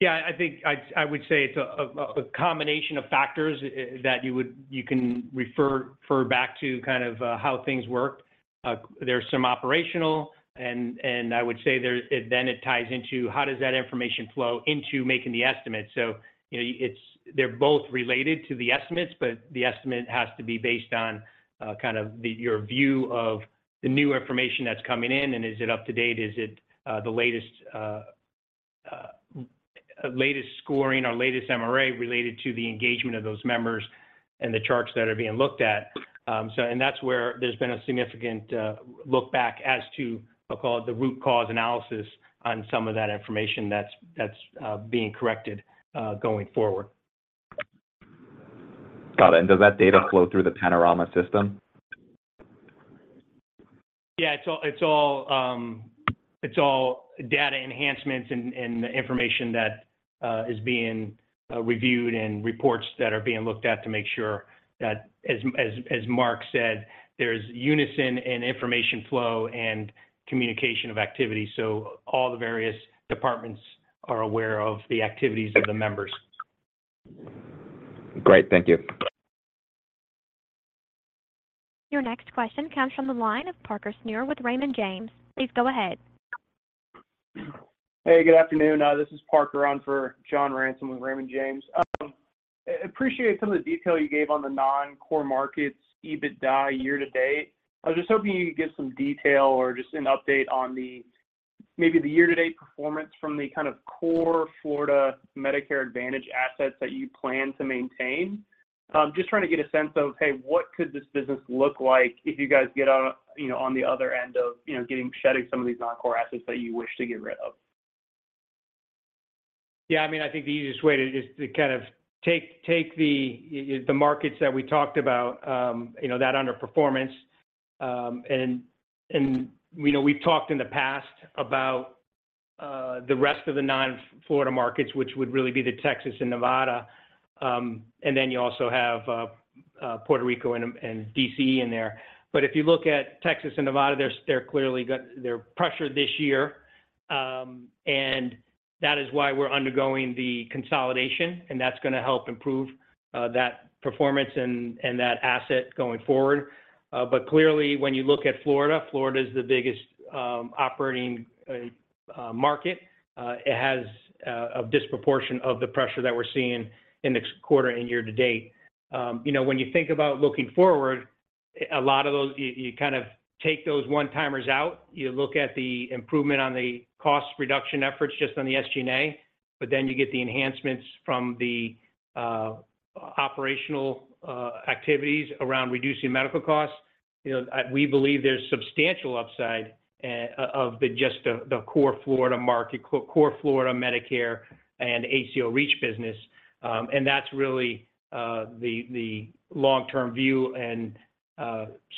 Yeah, I think I would say it's a combination of factors that you can refer back to kind of how things work. There's some operational, and I would say there's... It then it ties into how does that information flow into making the estimate. You know, they're both related to the estimates, but the estimate has to be based on kind of your view of the new information that's coming in, and is it up to date, is it the latest latest scoring or latest MRA related to the engagement of those members and the charts that are being looked at? That's where there's been a significant look back as to call it, the root cause analysis on some of that information that's, that's being corrected going forward. Got it. Does that data flow through the CanoPanorama system? Yeah, it's all, it's all, it's all data enhancements and information that, is being, reviewed and reports that are being looked at to make sure that as Mark said, there's unison in information flow and communication of activity, so all the various departments are aware of the activities of the members. Great. Thank you. Your next question comes from the line of Parker Snure with Raymond James. Please go ahead. Hey, good afternoon. This is Parker on for John Ransom with Raymond James. I appreciate some of the detail you gave on the non-core markets, EBITDA, year-to-date. I was just hoping you could give some detail or just an update on the year-to-date performance from the core Florida Medicare Advantage assets that you plan to maintain. Just trying to get a sense of, hey, what could this business look like if you guys get on, you know, on the other end of, you know, getting, shedding some of these non-core assets that you wish to get rid of? Yeah, I mean, I think the easiest way to just, to kind of take, take the, the, the markets that we talked about, you know, that underperformance. We know we've talked in the past about the rest of the non-Florida markets, which would really be the Texas and Nevada. Then you also have Puerto Rico and D.C. in there. If you look at Texas and Nevada, they're, they're clearly pressured this year, and that is why we're undergoing the consolidation, and that's going to help improve that performance and that asset going forward. Clearly, when you look at Florida, Florida is the biggest operating market. It has a disproportion of the pressure that we're seeing in this quarter and year-to-date. You know, when you think about looking forward, a lot of those-- you, you kind of take those one-timers out. You look at the improvement on the cost reduction efforts just on the SG&A, but then you get the enhancements from the operational activities around reducing medical costs. You know, we believe there's substantial upside of the just the, the core Florida market, core Florida Medicare and ACO REACH business. That's really the long-term view and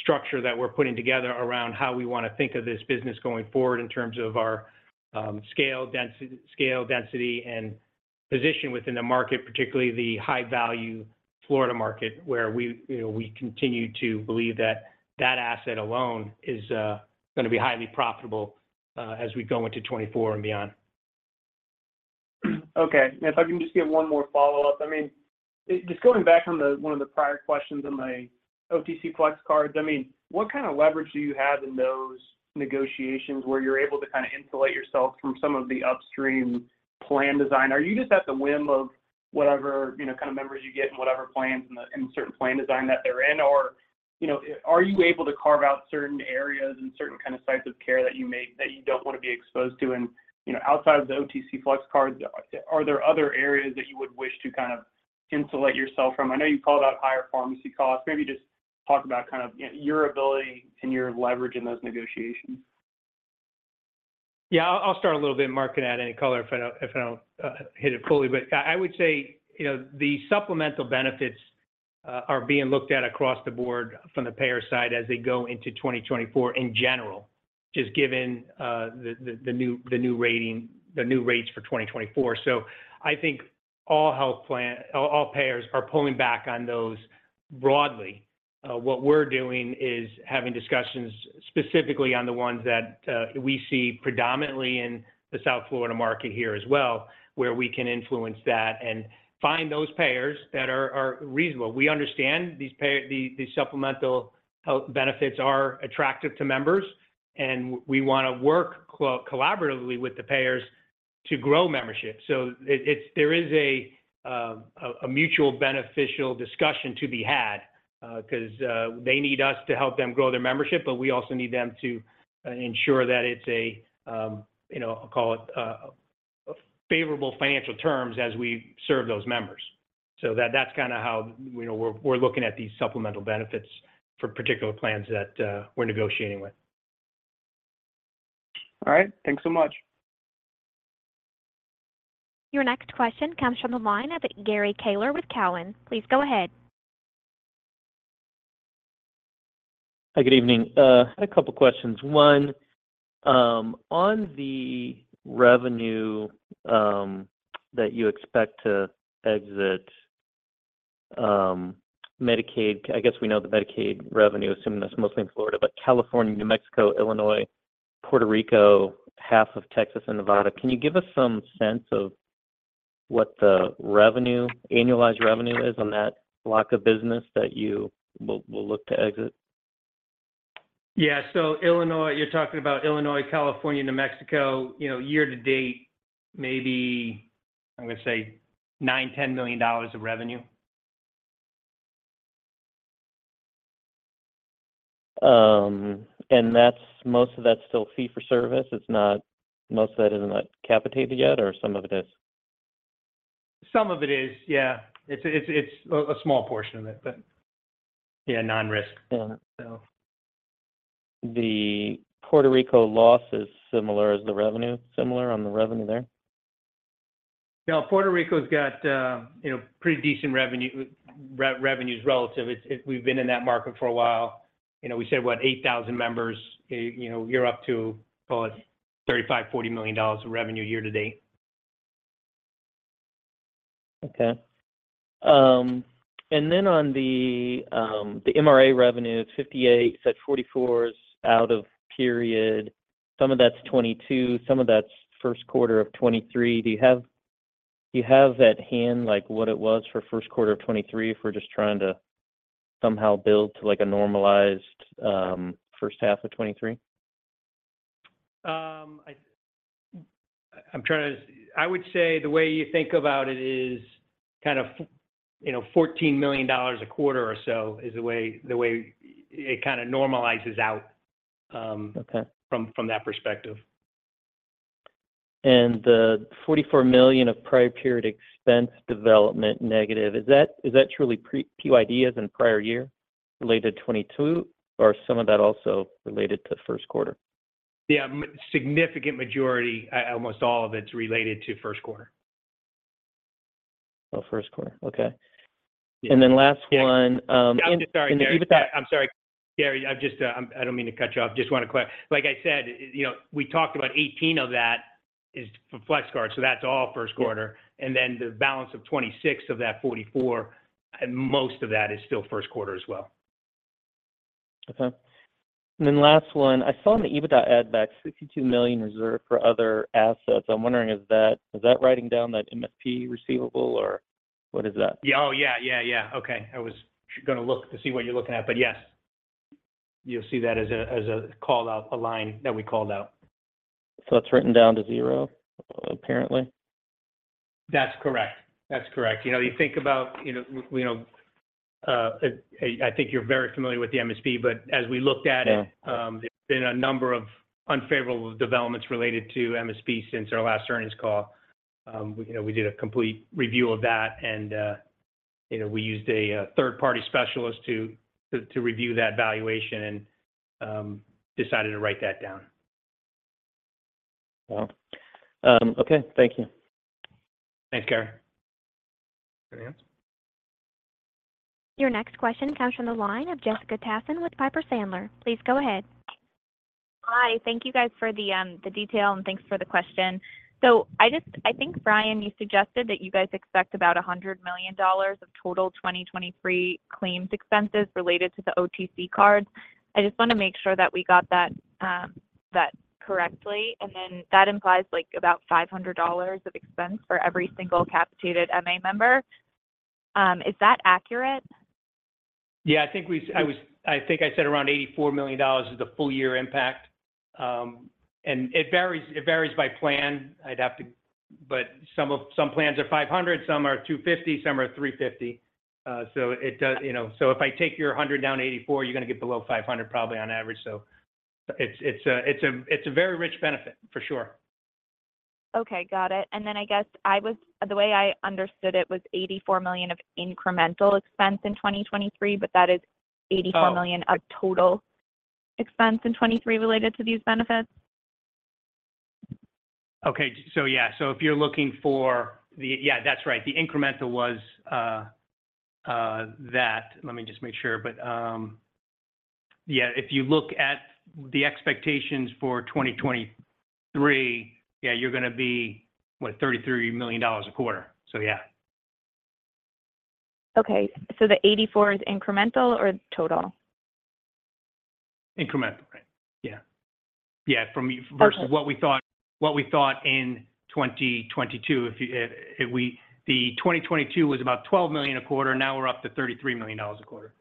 structure that we're putting together around how we want to think of this business going forward in terms of our scale density, scale density, and position within the market, particularly the high-value Florida market, where we, you know, we continue to believe that that asset alone is going to be highly profitable as we go into 2024 and beyond. Okay, if I can just get 1 more follow-up. I mean, just going back on 1 of the prior questions on the OTC FlexCards, I mean, what kind of leverage do you have in those negotiations where you're able to kind of insulate yourself from some of the upstream plan design? Are you just at the whim of whatever, you know, kind of members you get and whatever plans and certain plan design that they're in? Or, you know, are you able to carve out certain areas and certain kinds of types of care that you don't want to be exposed to? And, you know, outside of the OTC FlexCards, are there other areas that you would wish to kind of insulate yourself from? I know you called out higher pharmacy costs. Maybe just talk about kind of your ability and your leverage in those negotiations. Yeah, I'll, I'll start a little bit, Mark, and add any color if I don't, hit it fully. I, I would say, you know, the supplemental benefits are being looked at across the board from the payer side as they go into 2024 in general, just given the, the, the new, the new rating, the new rates for 2024. I think all, all payers are pulling back on those broadly. What we're doing is having discussions specifically on the ones that we see predominantly in the South Florida market here as well, where we can influence that and find those payers that are, are reasonable. We understand these, these supplemental health benefits are attractive to members, and we want to work collaboratively with the payers to grow membership. There is a mutual beneficial discussion to be had because they need us to help them grow their membership, but we also need them to ensure that it's a, you know, call it, favorable financial terms as we serve those members. That, that's kind of how, you know, we're looking at these supplemental benefits for particular plans that we're negotiating with. All right. Thanks so much. Your next question comes from the line of Gary Taylor with Cowen. Please go ahead. Hi, good evening. A couple questions. One, on the revenue that you expect to exit Medicaid, I guess we know the Medicaid revenue, assuming that's mostly in Florida, but California, New Mexico, Illinois, Puerto Rico, half of Texas, and Nevada. Can you give us some sense of what the revenue, annualized revenue is on that block of business that you will, will look to exit? Yeah. Illinois, you're talking about Illinois, California, New Mexico, you know, year-to-date, maybe, I'm going to say $9 million-$10 million of revenue. That's, most of that's still fee for service? It's not, most of that isn't capitated yet, or some of it is? Some of it is. Yeah. It's a small portion of it, but yeah, non-risk. Yeah. So. The Puerto Rico loss is similar as the revenue, similar on the revenue there? Yeah, Puerto Rico's got, you know, pretty decent revenue. Revenue is relative. We've been in that market for a while. You know, we said, what, 8,000 members, you know, you're up to, call it $35 million-$40 million of revenue year-to-date. Okay. Then on the MRA revenue, $58, you said $44 is out of period. Some of that's 2022, some of that's first quarter of 2023. Do you have, do you have at hand, what it was for first quarter of 2023, if we're just trying to somehow build to a normalized first half of 2023? I would say the way you think about it is kind of, you know, $14 million a quarter or so, is the way, the way it kinda normalizes out. Okay. From that perspective. The $44 million of prior period expense development negative, is that, is that truly PYD as in prior year related to 2022, or is some of that also related to first quarter? Yeah, significant majority, almost all of it's related to first quarter. Oh, first quarter. Okay. Yeah. Then last one. I'm sorry, Gary. EBITDA I'm sorry, Gary, I've just, I, I don't mean to cut you off. Just want to like I said, you know, we talked about $18 of that is for OTC FlexCards, so that's all first quarter. Then the balance of $26 of that $44, and most of that is still first quarter as well. Okay. Last one. I saw in the EBITDA add-back $62 million reserved for other assets. I'm wondering, is that, is that writing down that MSP receivable or what is that? Yeah. Oh, yeah, yeah, yeah. Okay. I was gonna look to see what you're looking at, but yes. You'll see that as a, as a called out-- a line that we called out. It's written down to 0, apparently? That's correct. That's correct. You know, you think about, you know, you know, I think you're very familiar with the MSP, but as we looked at it... Yeah... there's been a number of unfavorable developments related to MSP since our last earnings call. We, you know, we did a complete review of that, and, you know, we used a third-party specialist to, to, to review that valuation and decided to write that down. Well, okay. Thank you. Thanks, Gary. Your next question comes from the line of Jessica Tassan with Piper Sandler. Please go ahead. Hi, thank you, guys, for the detail, and thanks for the question. I think, Brian, you suggested that you guys expect about $100 million of total 2023 claims expenses related to the OTC FlexCards. I just want to make sure that we got that correctly, and then that implies, like, about $500 of expense for every single capitated MA member. Is that accurate? Yeah, I think we, I think I said around $84 million is the full year impact. It varies, it varies by plan. I'd have to... Some plans are $500, some are $250, some are $350. You know, if I take your $100 down to $84, you're gonna get below $500, probably on average. It's, it's a, it's a, it's a very rich benefit, for sure. Okay, got it. I guess the way I understood it was $84 million of incremental expense in 2023, that is $84 million... Oh Of total expense in 2023 related to these benefits? Okay. Yeah, so if you're looking for the... Yeah, that's right. The incremental was that. Let me just make sure, but, yeah, if you look at the expectations for 2023, yeah, you're gonna be, what? $33 million a quarter. So, yeah. Okay. The 84 is incremental or total? Incremental, right. Yeah. Yeah. Perfect Versus what we thought, what we thought in 2022. If you, the 2022 was about $12 million a quarter, now we're up to $33 million a quarter.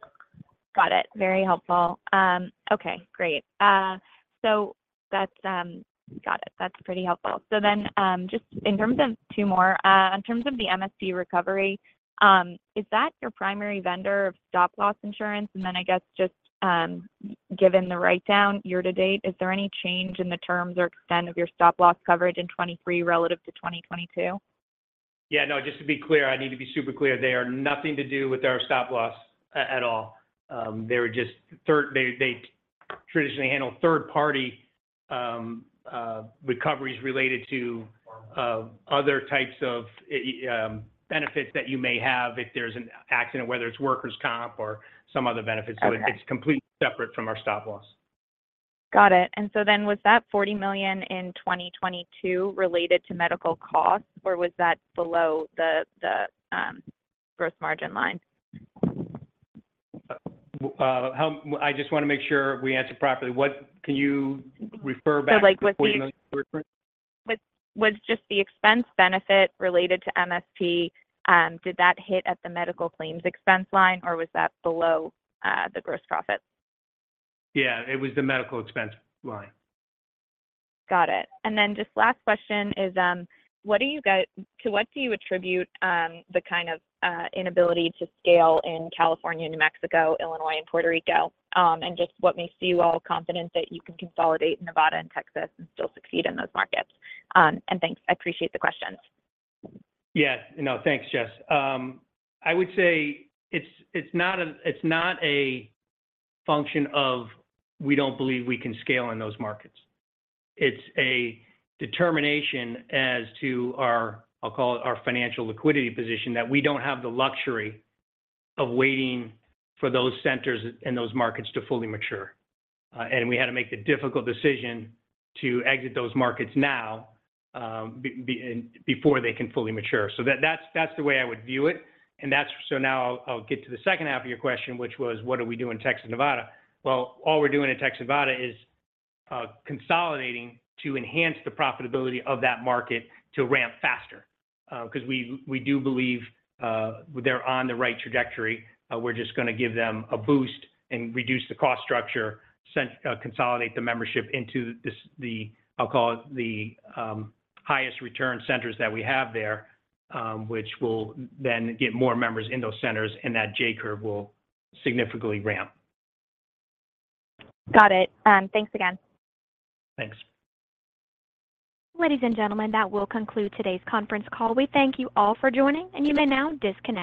Got it. Very helpful. Okay, great. That's pretty helpful. Just in terms of two more. In terms of the MSP Recovery, is that your primary vendor of stop loss insurance? I guess just, given the write-down year -to-date, is there any change in the terms or extent of your stop loss coverage in 23 relative to 2022? Yeah, no, just to be clear, I need to be super clear. They are nothing to do with our stop loss at all. They traditionally handle third-party recoveries related to other types of benefits that you may have if there's an accident, whether it's workers' comp or some other benefits. Okay. It's completely separate from our stop loss. Got it. Was that $40 million in 2022 related to medical costs, or was that below the, the, gross margin line? I just want to make sure we answer properly. Can you refer back to the $40 million? Like, was just the expense benefit related to MSP, did that hit at the medical claims expense line, or was that below, the gross profit? Yeah, it was the medical expense line. Got it. Just last question is, To what do you attribute, the kind of, inability to scale in California, New Mexico, Illinois, and Puerto Rico? Just what makes you all confident that you can consolidate Nevada and Texas and still succeed in those markets? Thanks. I appreciate the questions. Yeah. No, thanks, Jess. I would say it's, it's not a, it's not a function of we don't believe we can scale in those markets. It's a determination as to our, I'll call it, our financial liquidity position, that we don't have the luxury of waiting for those centers in those markets to fully mature. We had to make the difficult decision to exit those markets now, and before they can fully mature. That, that's, that's the way I would view it. That's. Now I'll, I'll get to the second half of your question, which was, what do we do in Texas and Nevada? Well, all we're doing in Texas and Nevada is consolidating to enhance the profitability of that market to ramp faster. We, we do believe, they're on the right trajectory. We're just gonna give them a boost and reduce the cost structure, send, consolidate the membership into this, the, I'll call it, the highest return centers that we have there, which will then get more members in those centers, and that J-curve will significantly ramp. Got it. Thanks again. Thanks. Ladies and gentlemen, that will conclude today's conference call. We thank you all for joining, and you may now disconnect.